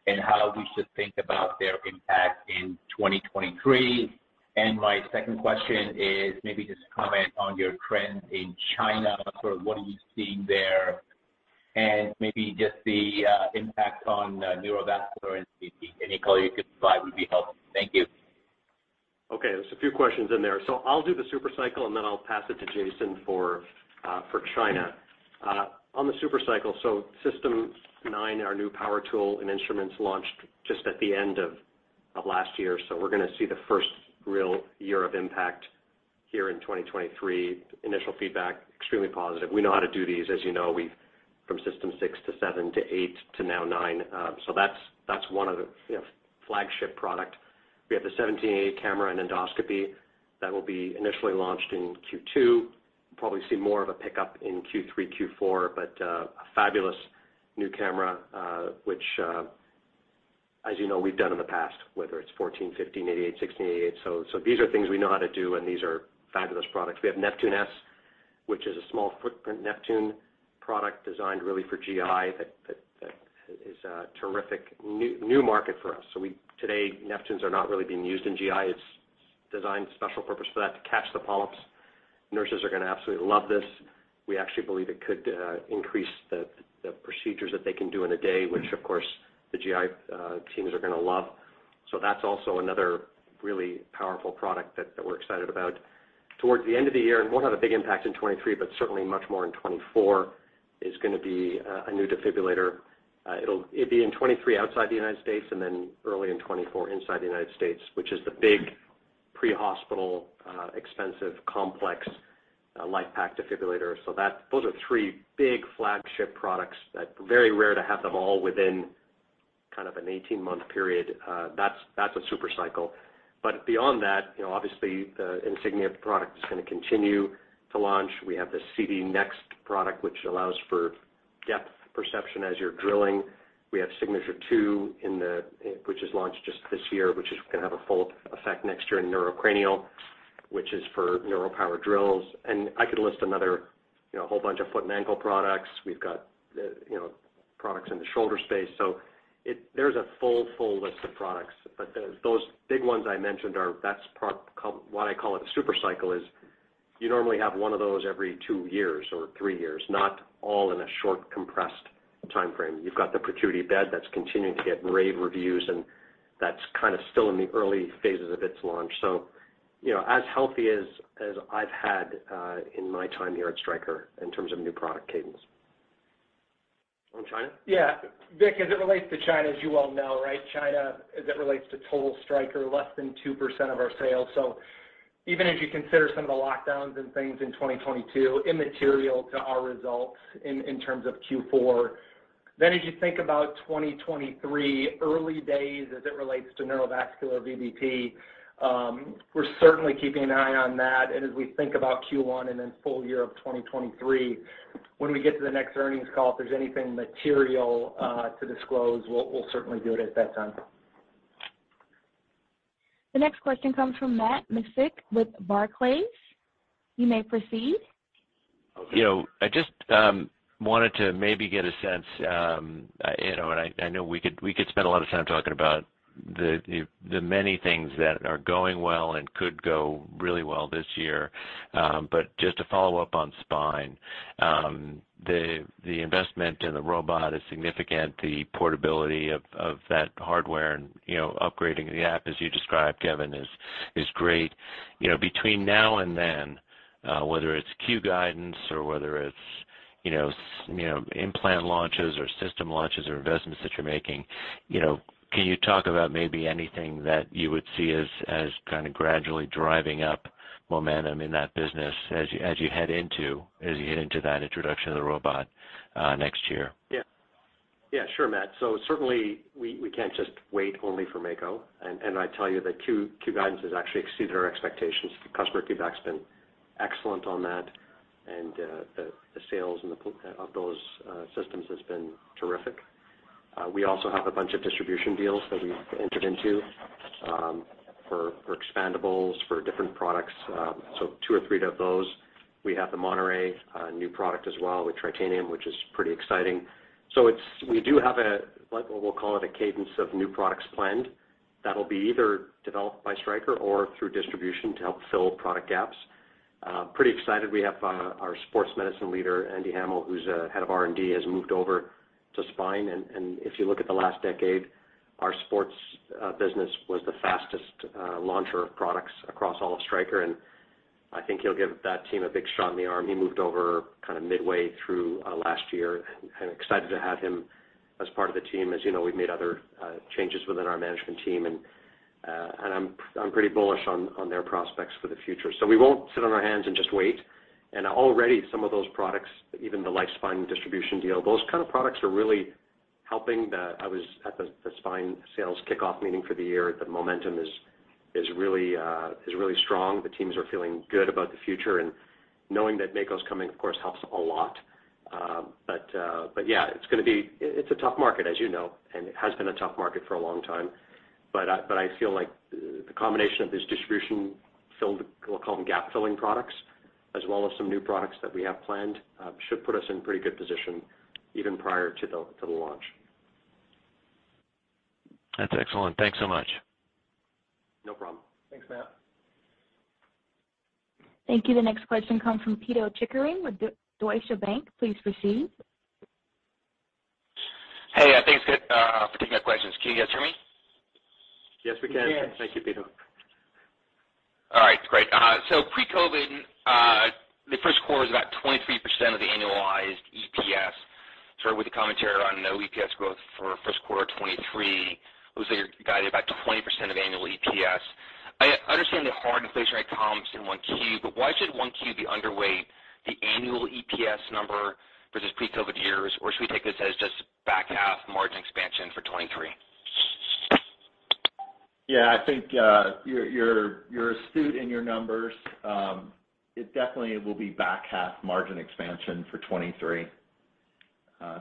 and how we should think about their impact in 2023. My second question is maybe just comment on your trends in China, sort of what are you seeing there, and maybe just the impact on neurovascular and VBP. Any color you could provide would be helpful. Thank you. Okay, there's a few questions in there. I'll do the super cycle, and then I'll pass it to Jason for China. On the super cycle, System 9, our new power tool and instruments launched just at the end of last year. We're gonna see the first real year of impact here in 2023. Initial feedback, extremely positive. We know how to do these. As you know, we've from System 6 to 7 to 8 to now 9, that's one of the, you know, flagship product. We have the 1788 camera and endoscopy that will be initially launched in Q2. Probably see more of a pickup in Q3, Q4, a fabulous new camera, which, as you know, we've done in the past, whether it's 1488, 1588 AIM, 1688 AIM. These are things we know how to do, and these are fabulous products. We have Neptune S, which is a small footprint Neptune product designed really for GI that is a terrific new market for us. We today, Neptunes are not really being used in GI. It's designed special purpose for that to catch the polyps. Nurses are gonna absolutely love this. We actually believe it could increase the procedures that they can do in a day, which of course the GI teams are gonna love. That's also another really powerful product that we're excited about. Towards the end of the year, and won't have a big impact in 2023, but certainly much more in 2024, is gonna be a new defibrillator. It'd be in 2023 outside the United States, and then early in 2024 inside the United States, which is the big pre-hospital, expensive, complex, LIFEPAK defibrillator. Those are three big flagship products that very rare to have them all within kind of an 18-month period. That's, that's a super cycle. Beyond that, you know, obviously, the Insignia product is gonna continue to launch. We have the CD NXT product, which allows for depth perception as you're drilling. We have Signature II, which is launched just this year, which is gonna have a full effect next year in neurocranial, which is for neural power drills. I could list another, you know, a whole bunch of foot and ankle products. We've got, you know, products in the shoulder space. There's a full list of products. Those big ones I mentioned are why I call it a super cycle is you normally have one of those every two years or three years, not all in a short, compressed timeframe. You've got the ProCuity bed that's continuing to get rave reviews, and that's kind of still in the early phases of its launch. You know, as healthy as I've had in my time here at Stryker in terms of new product cadence. On China? Yeah. Vik, as it relates to China, as you well know, right, China as it relates to total Stryker, less than 2% of our sales. Even if you consider some of the lockdowns and things in 2022, immaterial to our results in terms of Q4. As you think about 2023, early days as it relates to neurovascular VBP, we're certainly keeping an eye on that. As we think about Q1 and then full-year of 2023, when we get to the next earnings call, if there's anything material to disclose, we'll certainly do it at that time. The next question comes from Matt Miksic with Barclays. You may proceed. You know, I just wanted to maybe get a sense, you know, and I know we could, we could spend a lot of time talking about the many things that are going well and could go really well this year. Just to follow up on spine, the investment in the robot is significant. The portability of that hardware and, you know, upgrading the app as you described, Kevin, is great. You know, between now and then, whether it's Q Guidance or whether it's You know, you know, implant launches or system launches or investments that you're making, you know, can you talk about maybe anything that you would see as kind of gradually driving up momentum in that business as you head into that introduction of the robot next year? Yeah. Yeah, sure, Matt. Certainly, we can't just wait only for Mako. I tell you that Q Guidance has actually exceeded our expectations. The customer feedback's been excellent on that, and the sales of those systems has been terrific. We also have a bunch of distribution deals that we've entered into for expandables, for different products. Two or three of those. We have the Monterey new product as well with Tritanium, which is pretty exciting. We do have a, like, what we'll call it, a cadence of new products planned that'll be either developed by Stryker or through distribution to help fill product gaps. Pretty excited. We have our sports medicine leader, Andy Hamer, who's head of R&D, has moved over to spine. If you look at the last decade, our sports business was the fastest launcher of products across all of Stryker, and I think he'll give that team a big shot in the arm. He moved over kind of midway through last year, and excited to have him as part of the team. As you know, we've made other changes within our management team and I'm pretty bullish on their prospects for the future. We won't sit on our hands and just wait. Already some of those products, even the Life Spine distribution deal, those kind of products are really helping. I was at the spine sales kickoff meeting for the year. The momentum is really strong. The teams are feeling good about the future and knowing that Mako's coming, of course, helps a lot. It's a tough market, as you know, and it has been a tough market for a long time. I feel like the combination of this distribution-filled, we'll call them gap-filling products, as well as some new products that we have planned, should put us in pretty good position even prior to the launch. That's excellent. Thanks so much. No problem. Thanks, Matt. Thank you. The next question comes from Pito Chickering with Deutsche Bank. Please proceed. Hey, Thanks, for taking our questions. Can you guys hear me? Yes, we can. We can. Thank you, Peter. All right, great. Pre-COVID, the first quarter is about 23% of the annualized EPS. Start with the commentary on no EPS growth for first quarter 2023. Looks like you're guided about 20% of annual EPS. I understand the hard inflation comps in 1Q, why should 1Q be underweight the annual EPS number versus pre-COVID years? Should we take this as just back half margin expansion for 2023? Yeah. I think, you're astute in your numbers. It definitely will be back half margin expansion for 2023.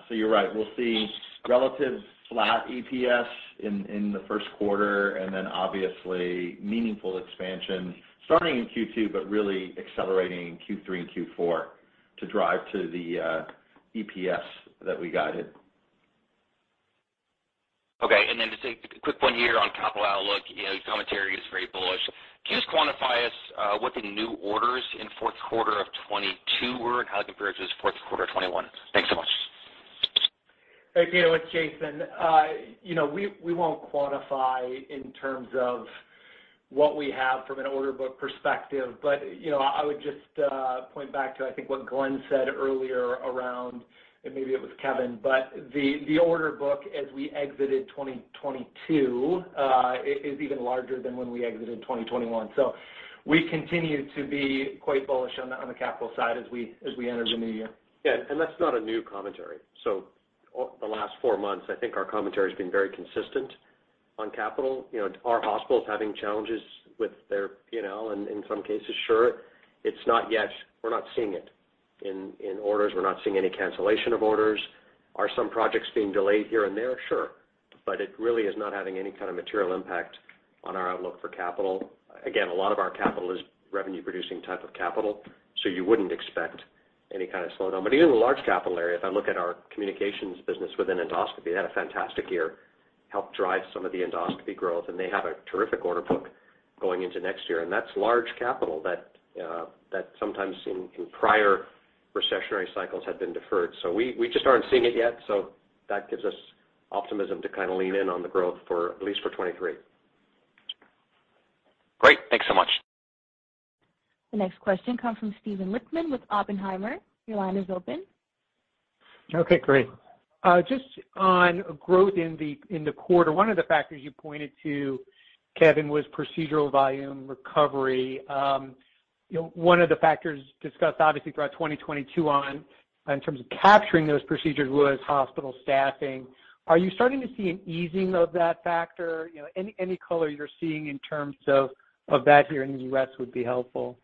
You're right. We'll see relative flat EPS in the first quarter, and then obviously meaningful expansion starting in Q2, but really accelerating in Q3 and Q4 to drive to the EPS that we guided. Okay. Just a quick one here on capital outlook. You know, your commentary is very bullish. Can you just quantify us what the new orders in fourth quarter of 2022 were and how it compares to fourth quarter 2021? Thanks so much. Hey, Pito, it's Jason Beach. You know, we won't quantify in terms of what we have from an order book perspective. You know, I would just point back to, I think, what Glenn Boehnlein said earlier around, and maybe it was Kevin Lobo, but the order book as we exited 2022, is even larger than when we exited 2021. We continue to be quite bullish on the capital side as we enter the new year. Yeah, that's not a new commentary. All the last four months, I think our commentary has been very consistent on capital. You know, are hospitals having challenges with their P&L in some cases? Sure. We're not seeing it in orders. We're not seeing any cancellation of orders. Are some projects being delayed here and there? Sure. It really is not having any kind of material impact on our outlook for capital. A lot of our capital is revenue-producing type of capital, so you wouldn't expect any kind of slowdown. Even in the large capital area, if I look at our communications business within endoscopy, they had a fantastic year, helped drive some of the endoscopy growth, and they have a terrific order book going into next year. That's large capital that sometimes in prior recessionary cycles had been deferred. We just aren't seeing it yet, so that gives us optimism to kind of lean in on the growth for at least for 2023. Great. Thanks so much. The next question comes from Steven Lichtman with Oppenheimer. Your line is open. Okay, great. Just on growth in the, in the quarter, one of the factors you pointed to, Kevin, was procedural volume recovery. You know, one of the factors discussed obviously throughout 2022 on, in terms of capturing those procedures was hospital staffing. Are you starting to see an easing of that factor? You know, any color you're seeing in terms of that here in the U.S. would be helpful.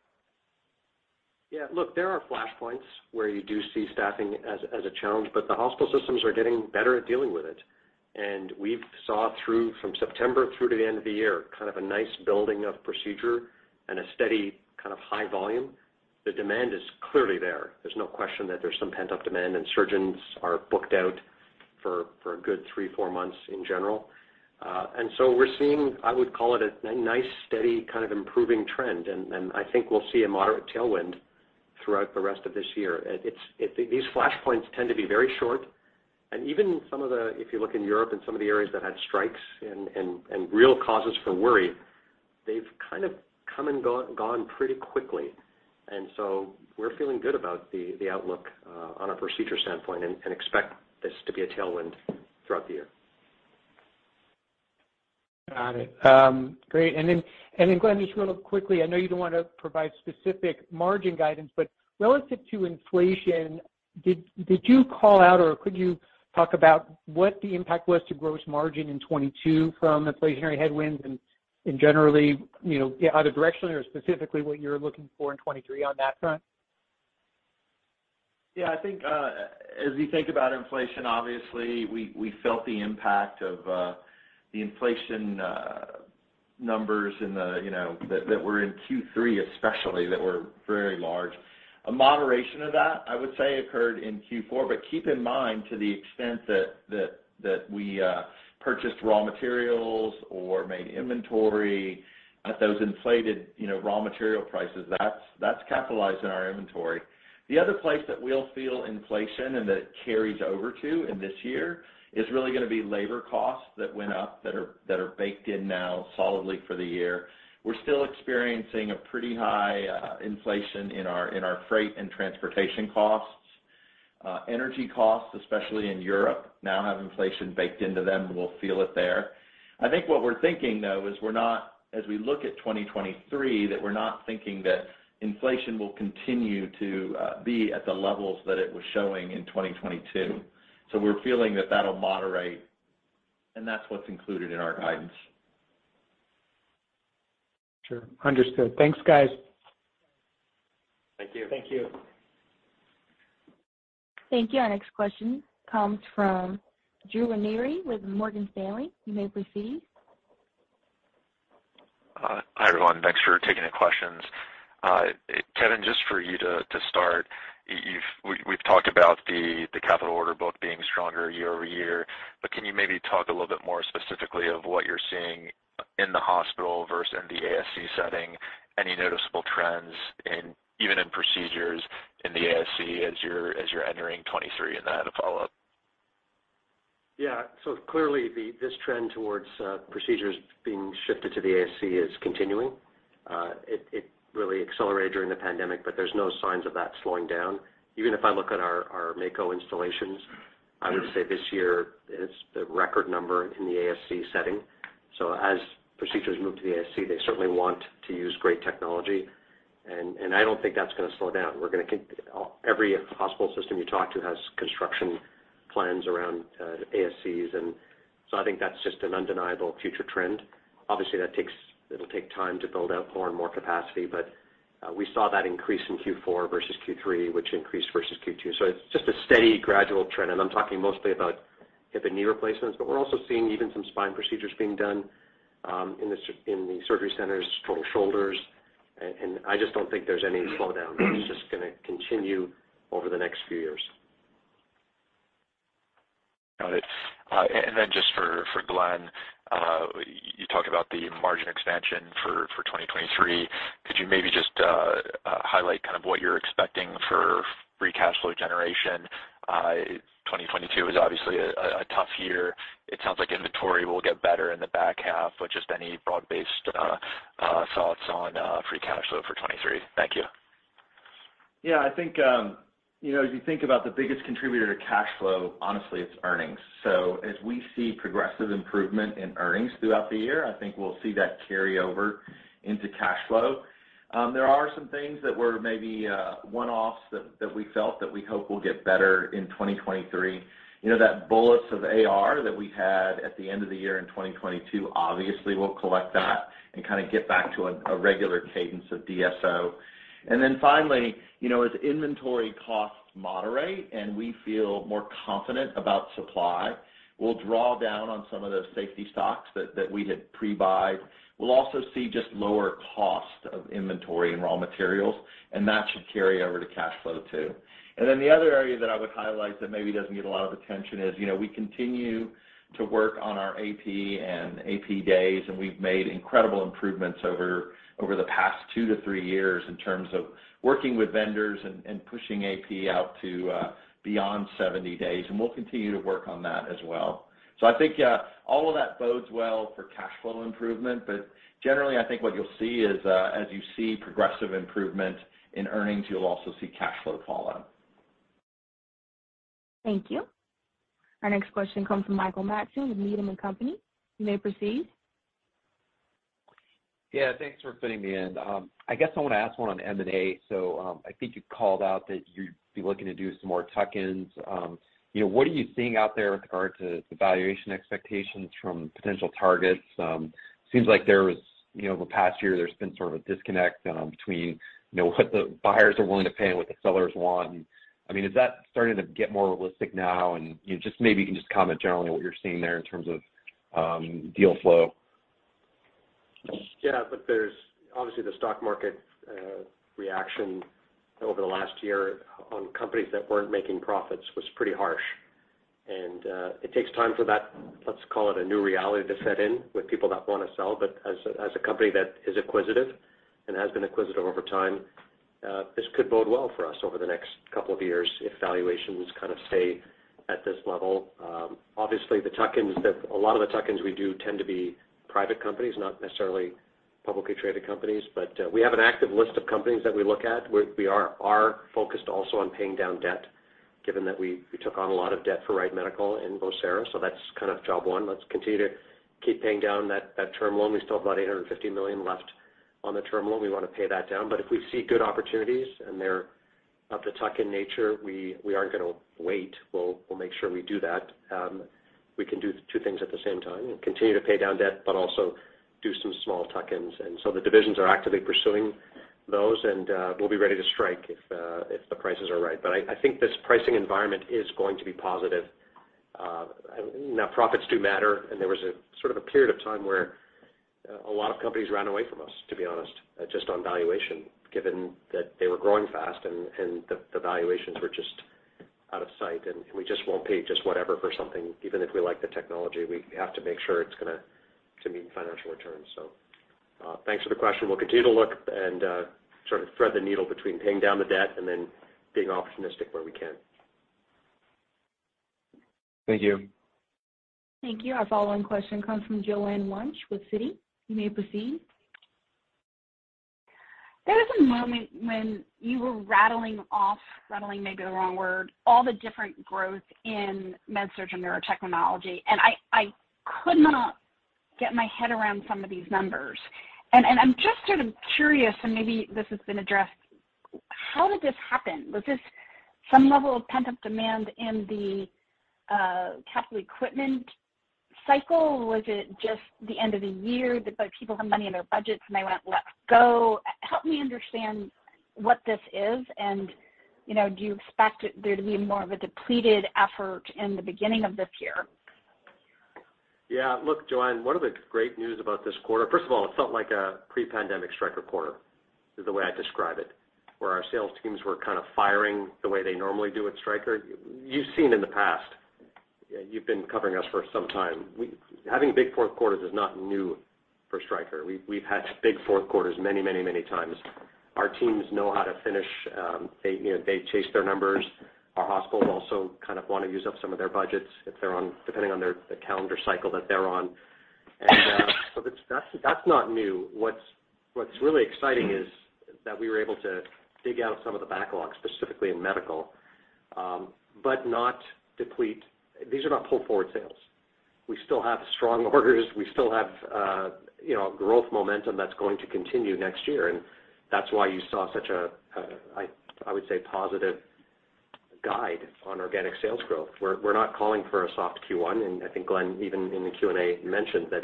Look, there are flashpoints where you do see staffing as a challenge. The hospital systems are getting better at dealing with it. We've saw through from September through to the end of the year kind of a nice building of procedure and a steady kind of high volume. The demand is clearly there. There's no question that there's some pent-up demand, and surgeons are booked out for a good three, four months in general. We're seeing, I would call it a nice, steady kind of improving trend, and I think we'll see a moderate tailwind throughout the rest of this year. These flashpoints tend to be very short. Even some of the, if you look in Europe and some of the areas that had strikes and real causes for worry. They've kind of come and gone pretty quickly. So we're feeling good about the outlook on a procedure standpoint and expect this to be a tailwind throughout the year. Got it. Great. Glenn, just real quickly, I know you don't wanna provide specific margin guidance, but relative to inflation, did you call out or could you talk about what the impact was to gross margin in 2022 from inflationary headwinds and generally, you know, either directionally or specifically what you're looking for in 2023 on that front? Yeah, I think, as we think about inflation obviously we felt the impact of the inflation numbers in the, you know, that were in Q3 especially that were very large. A moderation of that I would say occurred in Q4, but keep in mind to the extent that we purchased raw materials or made inventory at those inflated, you know, raw material prices, that's capitalized in our inventory. The other place that we'll feel inflation and that carries over to in this year is really gonna be labor costs that went up that are baked in now solidly for the year. We're still experiencing a pretty high inflation in our freight and transportation costs. Energy costs especially in Europe now have inflation baked into them. We'll feel it there. I think what we're thinking though is we're not, as we look at 2023, that we're not thinking that inflation will continue to be at the levels that it was showing in 2022. We're feeling that that'll moderate and that's what's included in our guidance. Sure. Understood. Thanks guys. Thank you. Thank you. Thank you. Our next question comes from Drew Ranieri with Morgan Stanley. You may proceed. Hi everyone. Thanks for taking the questions. Kevin, just for you to start, we've talked about the capital order book being stronger year-over-year, but can you maybe talk a little bit more specifically of what you're seeing in the hospital versus in the ASC setting? Any noticeable trends in, even in procedures in the ASC as you're entering 23? Then I had a follow-up. Clearly this trend towards procedures being shifted to the ASC is continuing. It really accelerated during the pandemic, but there's no signs of that slowing down. Even if I look at our Mako installations, I would say this year is the record number in the ASC setting. As procedures move to the ASC, they certainly want to use great technology and I don't think that's gonna slow down. Every hospital system you talk to has construction plans around ASCs. I think that's just an undeniable future trend. Obviously that takes, it'll take time to build out more and more capacity, but we saw that increase in Q4 versus Q3 which increased versus Q2. It's just a steady gradual trend and I'm talking mostly about hip and knee replacements but we're also seeing even some spine procedures being done, in the surgery centers, total shoulders and I just don't think there's any slowdown. It's just gonna continue over the next few years. Got it. Then just for Glenn, you talked about the margin expansion for 2023. Could you maybe just highlight kind of what you're expecting for free cash flow generation? 2022 is obviously a tough year. It sounds like inventory will get better in the back half with just any broad-based thoughts on free cash flow for 2023. Thank you. I think, you know, as you think about the biggest contributor to cash flow, honestly it's earnings. As we see progressive improvement in earnings throughout the year, I think we'll see that carry over into cash flow. There are some things that were maybe one-offs that we felt that we hope will get better in 2023. You know, that bolus of AR that we had at the end of the year in 2022 obviously we'll collect that and kind of get back to a regular cadence of DSO. Finally, you know, as inventory costs moderate and we feel more confident about supply, we'll draw down on some of those safety stocks that we had pre-buy. We'll also see just lower cost of inventory and raw materials and that should carry over to cash flow too. The other area that I would highlight that maybe doesn't get a lot of attention is, you know, we continue to work on our AP and AP days and we've made incredible improvements over the past two to three years in terms of working with vendors and pushing AP out to beyond 70 days and we'll continue to work on that as well. I think, all of that bodes well for cash flow improvement but generally I think what you'll see is, as you see progressive improvement in earnings you'll also see cash flow follow. Thank you. Our next question comes from Mike Matson with Needham & Company. You may proceed. Yeah, Thanks for fitting me in. I guess I wanna ask one on M&A. I think you called out that you'd be looking to do some more tuck-ins. You know, what are you seeing out there with regard to the valuation expectations from potential targets? Seems like there was, you know, over the past year there's been sort of a disconnect between, you know, what the buyers are willing to pay and what the sellers want. I mean, is that starting to get more realistic now? You just maybe can just comment generally what you're seeing there in terms of deal flow. Yeah, there's obviously the stock market reaction over the last year on companies that weren't making profits was pretty harsh. It takes time for that, let's call it a new reality to set in with people that wanna sell but as a company that is acquisitive. Has been acquisitive over time. This could bode well for us over the next couple of years if valuations kind of stay at this level. Obviously, the tuck-ins a lot of the tuck-ins we do tend to be private companies, not necessarily publicly traded companies. We have an active list of companies that we look at, where we are focused also on paying down debt, given that we took on a lot of debt for Wright Medical and Vocera. That's kind of job one. Let's continue to keep paying down that term loan. We still have about $850 million left on the term loan. We wanna pay that down. If we see good opportunities and they're of the tuck-in nature, we aren't gonna wait. We'll make sure we do that. We can do two things at the same time, continue to pay down debt, but also do some small tuck-ins. The divisions are actively pursuing those, and we'll be ready to strike if the prices are right. I think this pricing environment is going to be positive. Now profits do matter, and there was a sort of a period of time where a lot of companies ran away from us, to be honest, just on valuation, given that they were growing fast and the valuations were just out of sight. We just won't pay just whatever for something, even if we like the technology. We have to make sure to meet financial returns. Thanks for the question. We'll continue to look and sort of thread the needle between paying down the debt and then being opportunistic where we can. Thank you. Thank you. Our follow-on question comes from Joanne Wuensch with Citi. You may proceed. There was a moment when you were rattling off, rattling may be the wrong word, all the different growth in MedSurg and Neurotechnology, and I could not get my head around some of these numbers. I'm just sort of curious, and maybe this has been addressed, how did this happen? Was this some level of pent-up demand in the capital equipment cycle? Was it just the end of the year that people had money in their budgets and they went, let's go? Help me understand what this is and, you know, do you expect there to be more of a depleted effort in the beginning of this year? Look, Joanne, one of the great news about this quarter. First of all, it felt like a pre-pandemic Stryker quarter, is the way I describe it, where our sales teams were kind of firing the way they normally do at Stryker. Having big fourth quarters is not new for Stryker. We've had big fourth quarters many, many, many times. Our teams know how to finish, they, you know, they chase their numbers. Our hospitals also kind of wanna use up some of their budgets if they're on, depending on the calendar cycle that they're on. That's not new. What's really exciting is that we were able to dig out some of the backlog, specifically in medical, but not deplete. These are not pull forward sales. We still have strong orders. We still have, you know, growth momentum that's going to continue next year. That's why you saw such a positive guide on organic sales growth. We're not calling for a soft Q1. I think Glenn, even in the Q&A, mentioned that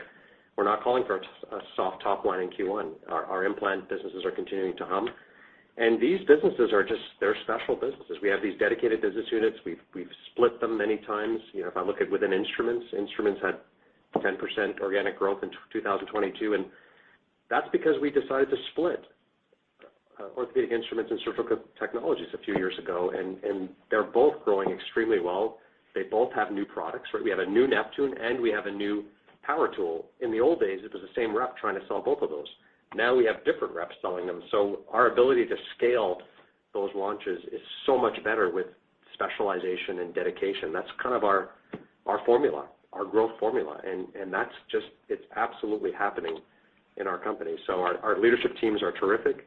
we're not calling for a soft top line in Q1. Our implant businesses are continuing to hum. These businesses are just, they're special businesses. We have these dedicated business units. We've split them many times. You know, if I look at within instruments had 10% organic growth in 2022. That's because we decided to split orthopedic instruments and surgical technologies a few years ago. They're both growing extremely well. They both have new products, right? We have a new Neptune, and we have a new power tool. In the old days, it was the same rep trying to sell both of those. Now we have different reps selling them. Our ability to scale those launches is so much better with specialization and dedication. That's kind of our formula, our growth formula. That's just, it's absolutely happening in our company. Our leadership teams are terrific.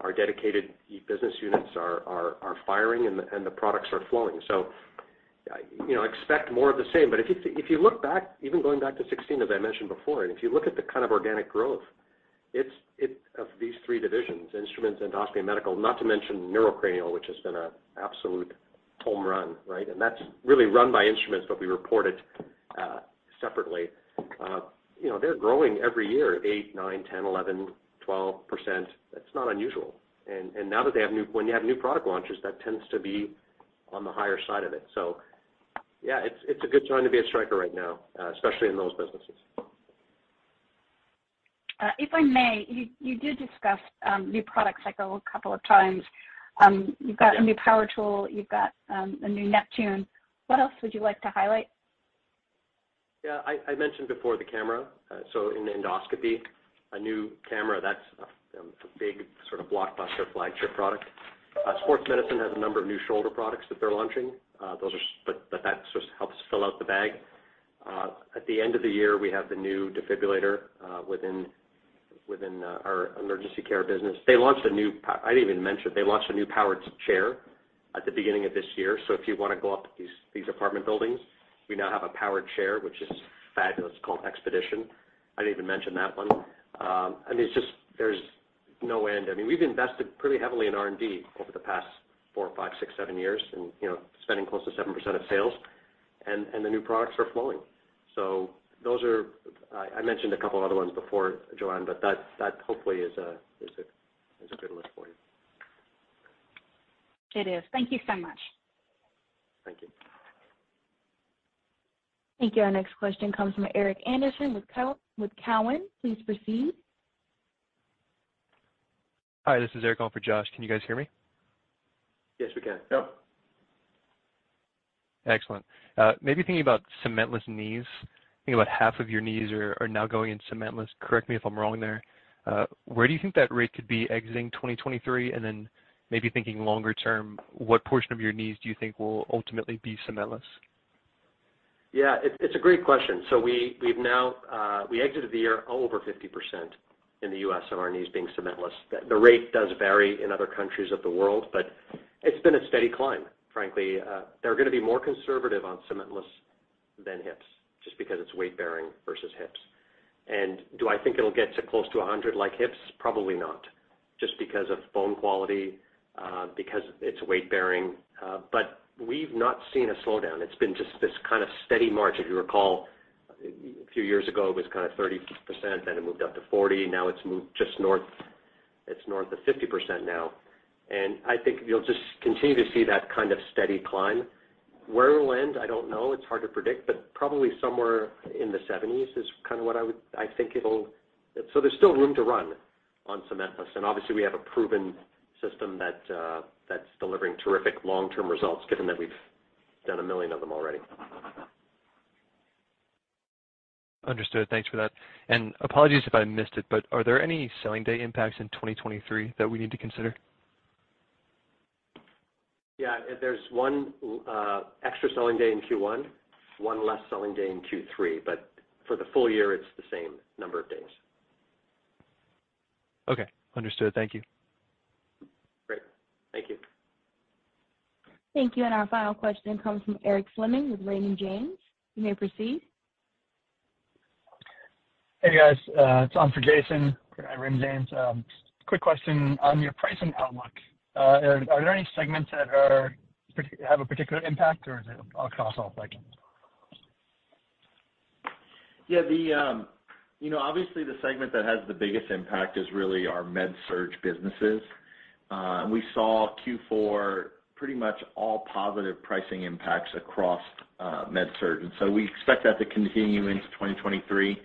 Our dedicated e-business units are firing and the products are flowing. You know, expect more of the same. If you look back, even going back to 16, as I mentioned before, and if you look at the kind of organic growth, it's of these three divisions, instruments, endoscopy, and medical, not to mention neurocranial, which has been an absolute home run, right? That's really run by instruments, but we report it separately. You know, they're growing every year 8%, 9%, 10%, 11%, 12%. That's not unusual. Now that they have when you have new product launches, that tends to be on the higher side of it. Yeah, it's a good time to be at Stryker right now, especially in those businesses. if I may, you did discuss new product cycle a couple of times. You've got a new power tool, you've got a new Neptune. What else would you like to highlight? I mentioned before the camera. In endoscopy, a new camera that's a big sort of blockbuster flagship product. Sports Medicine has a number of new shoulder products that they're launching. Those are but that sort of helps fill out the bag. At the end of the year, we have the new defibrillator within our emergency care business. They launched a new I didn't even mention, they launched a new powered chair at the beginning of this year. If you wanna go up these apartment buildings, we now have a powered chair, which is fabulous. It's called Xpedition. I didn't even mention that one. I mean, it's just there's no end. I mean, we've invested pretty heavily in R&D over the past four, five, six, seven years and, you know, spending close to 7% of sales, and the new products are flowing. I mentioned a couple other ones before, Joanne, but that hopefully is a good list for you. It is. Thank you so much. Thank you. Thank you. Our next question comes from Eric Anderson with Cowen. Please proceed. Hi, this is Eric calling for Josh. Can you guys hear me? Yes, we can. Yeah. Excellent. Maybe thinking about cementless knees. I think about half of your knees are now going in cementless. Correct me if I'm wrong there. Where do you think that rate could be exiting 2023? Then maybe thinking longer term, what portion of your knees do you think will ultimately be cementless? It's, it's a great question. We, we've now, we exited the year over 50% in the U.S. of our knees being cementless. The, the rate does vary in other countries of the world, but it's been a steady climb, frankly. They're gonna be more conservative on cementless than hips just because it's weight-bearing versus hips. Do I think it'll get to close to 100 like hips? Probably not. Just because of bone quality, because it's weight-bearing. We've not seen a slowdown. It's been just this kind of steady march. If you recall, a few years ago, it was kind of 30%, then it moved up to 40. Now it's moved just north. It's north of 50% now. I think you'll just continue to see that kind of steady climb. Where it will end, I don't know. It's hard to predict, but probably somewhere in the 70s is kind of I think it'll. There's still room to run on cementless, obviously, we have a proven system that's delivering terrific long-term results given that we've done 1 million of them already. Understood. Thanks for that. Apologies if I missed it, but are there any selling day impacts in 2023 that we need to consider? Yeah. There's one extra selling day in Q1, one less selling day in Q3, but for the full-year, it's the same number of days. Okay. Understood. Thank you. Great. Thank you. Thank you. Our final question comes from Eric Fleming with Raymond James. You may proceed. Hey, guys. It's on for Jason at Raymond James. Quick question on your pricing outlook. Are there any segments that have a particular impact, or is it across all segments? The, you know, obviously, the segment that has the biggest impact is really our MedSurg businesses. We saw Q4 pretty much all positive pricing impacts across MedSurg. We expect that to continue into 2023.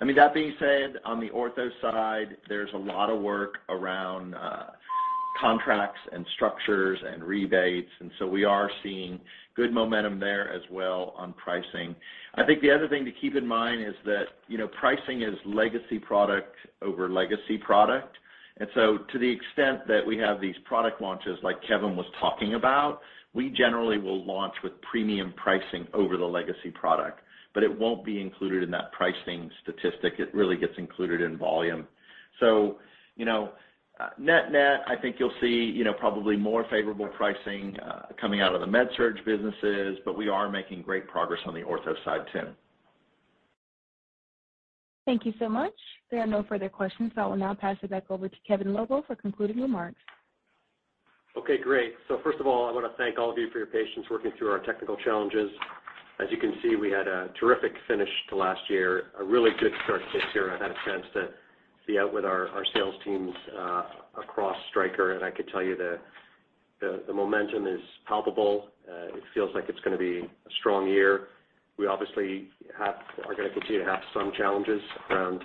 I mean, that being said, on the ortho side, there's a lot of work around contracts and structures and rebates. We are seeing good momentum there as well on pricing. I think the other thing to keep in mind is that, you know, pricing is legacy product over legacy product. To the extent that we have these product launches like Kevin was talking about, we generally will launch with premium pricing over the legacy product, but it won't be included in that pricing statistic. It really gets included in volume. You know, net-net, I think you'll see, you know, probably more favorable pricing coming out of the MedSurg businesses, but we are making great progress on the Orthopaedics side too. Thank you so much. There are no further questions. I will now pass it back over to Kevin Lobo for concluding remarks. Okay, great. First of all, I wanna thank all of you for your patience working through our technical challenges. As you can see, we had a terrific finish to last year, a really good start to this year. I've had a chance to be out with our sales teams across Stryker, and I could tell you the momentum is palpable. It feels like it's gonna be a strong year. We obviously are gonna continue to have some challenges around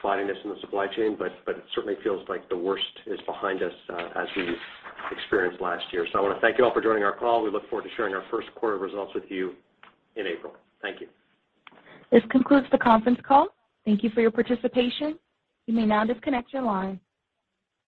spottiness in the supply chain, but it certainly feels like the worst is behind us as we experienced last year. I wanna thank you all for joining our call. We look forward to sharing our first quarter results with you in April. Thank you. This concludes the conference call. Thank you for your participation. You may now disconnect your line.